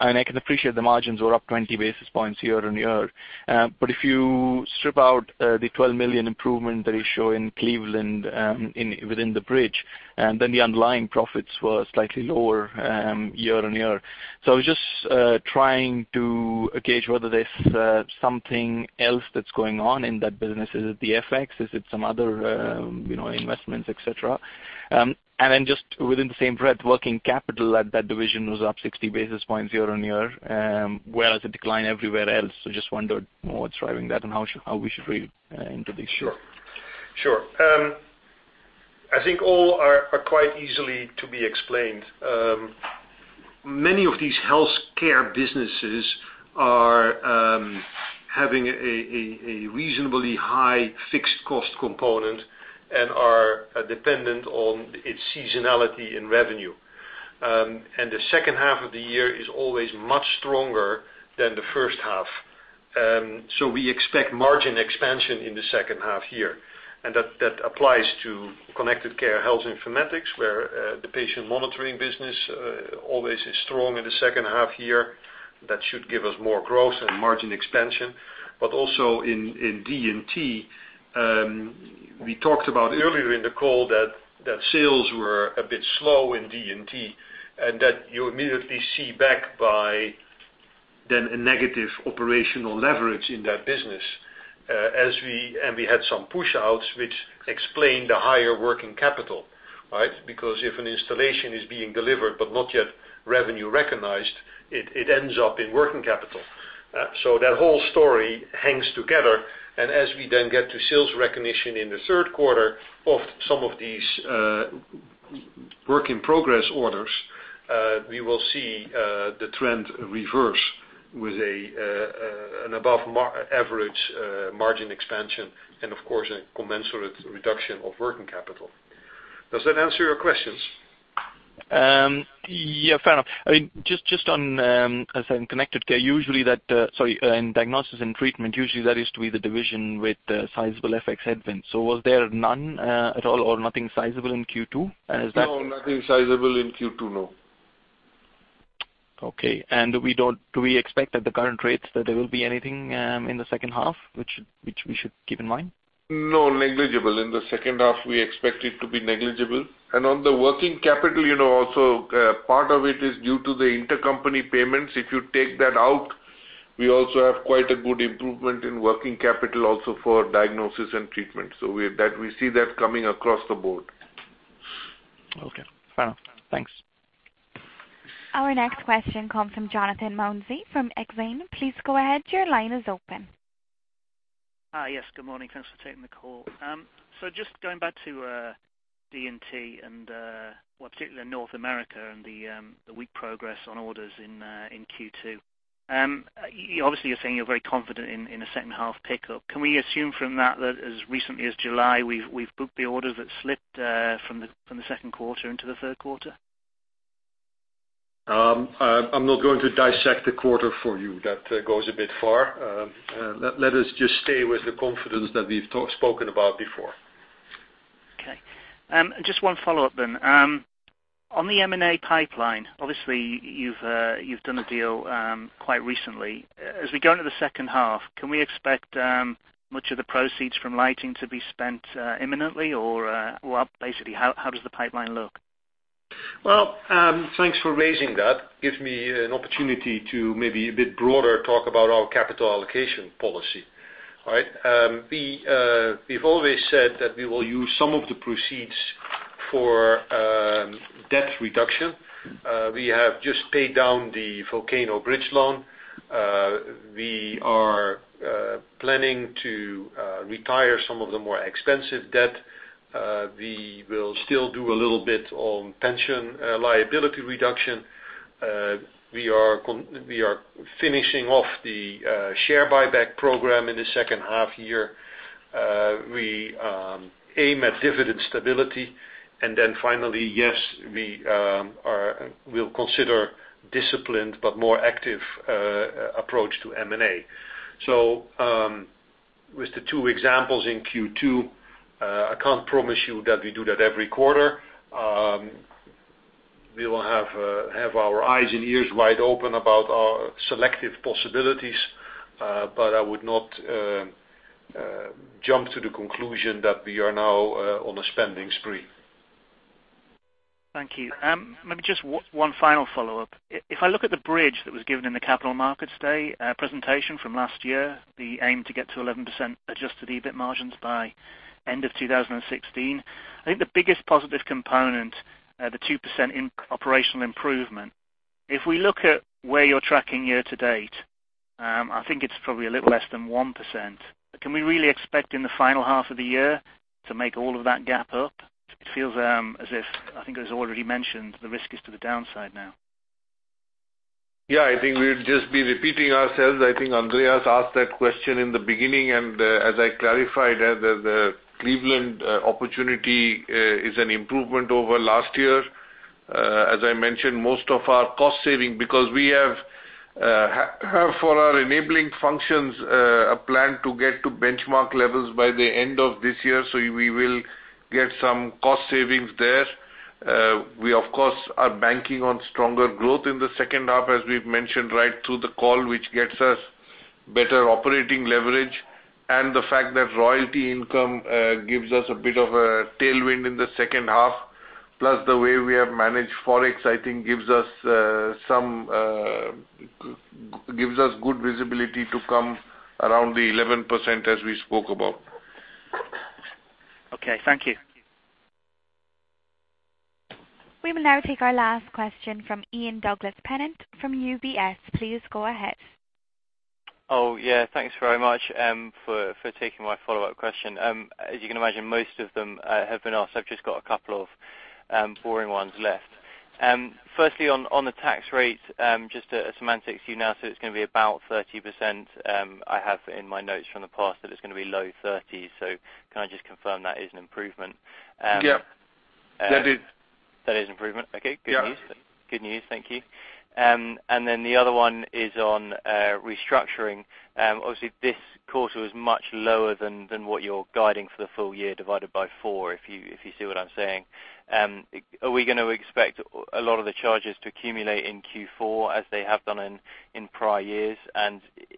I can appreciate the margins were up 20 basis points year-on-year. If you strip out the 12 million improvement that is shown in Cleveland within the bridge, then the underlying profits were slightly lower year-on-year. I was just trying to gauge whether there's something else that's going on in that business. Is it the FX? Is it some other investments, et cetera? Just within the same breadth, working capital at that division was up 60 basis points year-on-year, whereas a decline everywhere else. Just wondered what's driving that and how we should read into these. Sure. I think all are quite easily to be explained. Many of these healthcare businesses are having a reasonably high fixed cost component and are dependent on its seasonality and revenue. The second half of the year is always much stronger than the first half. We expect margin expansion in the second half year. That applies to Connected Care and Health Informatics, where the patient monitoring business always is strong in the second half year. That should give us more growth and margin expansion. But also in D&T, we talked about earlier in the call that sales were a bit slow in D&T, that you immediately see back by then a negative operational leverage in that business. We had some push-outs which explain the higher working capital. If an installation is being delivered but not yet revenue recognized, it ends up in working capital. That whole story hangs together. As we then get to sales recognition in the third quarter of some of these work in progress orders, we will see the trend reverse with an above average margin expansion and of course, a commensurate reduction of working capital. Does that answer your questions? Yeah, fair enough. In Diagnosis & Treatment, usually that used to be the division with a sizable FX headwind. Was there none at all or nothing sizable in Q2? Is that? No, nothing sizable in Q2. No. Okay. Do we expect at the current rates that there will be anything in the second half which we should keep in mind? No, negligible. In the second half, we expect it to be negligible. On the working capital, also part of it is due to the intercompany payments. If you take that out, we also have quite a good improvement in working capital also for Diagnosis & Treatment. We see that coming across the board. Okay, fair. Thanks. Our next question comes from Jonathan Mounsey from Exane. Please go ahead. Your line is open. Hi. Yes, good morning. Thanks for taking the call. Just going back to D&T and, well, particularly North America and the weak progress on orders in Q2. Obviously, you're saying you're very confident in a second-half pickup. Can we assume from that as recently as July, we've booked the orders that slipped from the second quarter into the third quarter? I'm not going to dissect the quarter for you. That goes a bit far. Let us just stay with the confidence that we've spoken about before. Okay. Just one follow-up then. On the M&A pipeline, obviously, you've done a deal quite recently. As we go into the second half, can we expect much of the proceeds from Lighting to be spent imminently, or basically, how does the pipeline look? Well, thanks for raising that. Gives me an opportunity to maybe a bit broader talk about our capital allocation policy. We've always said that we will use some of the proceeds for debt reduction. We have just paid down the Volcano bridge loan. We are planning to retire some of the more expensive debt. We will still do a little bit on pension liability reduction. We are finishing off the share buyback program in the second half year. We aim at dividend stability. Finally, yes, we'll consider disciplined but more active approach to M&A. With the two examples in Q2, I can't promise you that we do that every quarter. We will have our eyes and ears wide open about our selective possibilities, but I would not jump to the conclusion that we are now on a spending spree. Thank you. Maybe just one final follow-up. If I look at the bridge that was given in the Capital Markets Day presentation from last year, the aim to get to 11% adjusted EBIT margins by end of 2016. I think the biggest positive component, the 2% in operational improvement. If we look at where you're tracking year to date, I think it's probably a little less than 1%. Can we really expect in the final half of the year to make all of that gap up? It feels as if, I think it was already mentioned, the risk is to the downside now. Yeah, I think we'd just be repeating ourselves. I think Andreas asked that question in the beginning, and as I clarified, the Cleveland opportunity is an improvement over last year. As I mentioned, most of our cost saving, because we have for our enabling functions, a plan to get to benchmark levels by the end of this year, so we will get some cost savings there. We, of course, are banking on stronger growth in the second half, as we've mentioned right through the call, which gets us better operating leverage. The fact that royalty income gives us a bit of a tailwind in the second half, plus the way we have managed Forex, I think, gives us good visibility to come around the 11% as we spoke about. Okay. Thank you. We will now take our last question from Ian Douglas-Pennant from UBS. Please go ahead. Yeah. Thanks very much for taking my follow-up question. As you can imagine, most of them have been asked. I've just got a couple of boring ones left. Firstly, on the tax rate, just a semantic. You now said it's going to be about 30%. I have in my notes from the past that it's going to be low 30s. Can I just confirm that is an improvement? Yeah. That is. That is an improvement? Okay. Yeah. Good news. Thank you. Then the other one is on restructuring. Obviously, this quarter was much lower than what you're guiding for the full year divided by four, if you see what I'm saying. Are we going to expect a lot of the charges to accumulate in Q4 as they have done in prior years?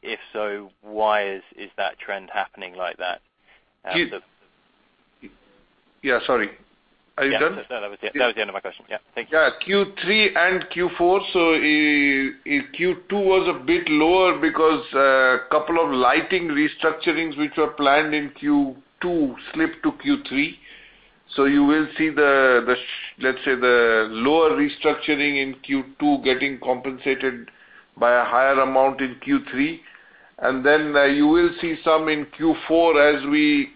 If so, why is that trend happening like that? Yeah, sorry. Are you done? Yeah. That was the end of my question. Yeah. Thank you. Q3 and Q4. Q2 was a bit lower because a couple of lighting restructurings which were planned in Q2 slipped to Q3. You will see, let's say, the lower restructuring in Q2 getting compensated by a higher amount in Q3. You will see some in Q4 as we,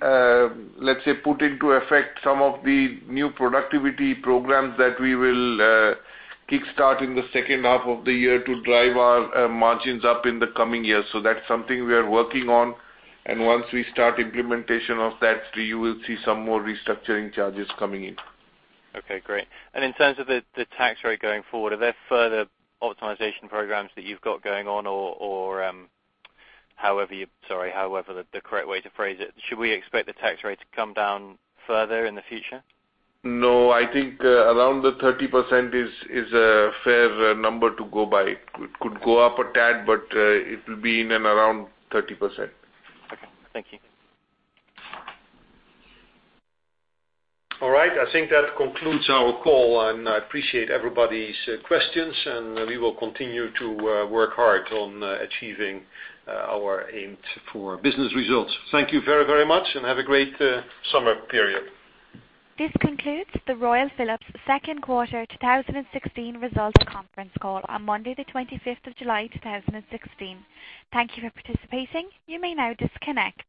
let's say, put into effect some of the new productivity programs that we will kickstart in the second half of the year to drive our margins up in the coming years. That's something we are working on. Once we start implementation of that, you will see some more restructuring charges coming in. Okay, great. In terms of the tax rate going forward, are there further optimization programs that you've got going on or however the correct way to phrase it. Should we expect the tax rate to come down further in the future? I think around the 30% is a fair number to go by. It could go up a tad, but it will be in and around 30%. Okay. Thank you. All right. I think that concludes our call, and I appreciate everybody's questions, and we will continue to work hard on achieving our aims for business results. Thank you very much, and have a great summer period. This concludes the Royal Philips second quarter 2016 results conference call on Monday, the 25th of July, 2016. Thank you for participating. You may now disconnect.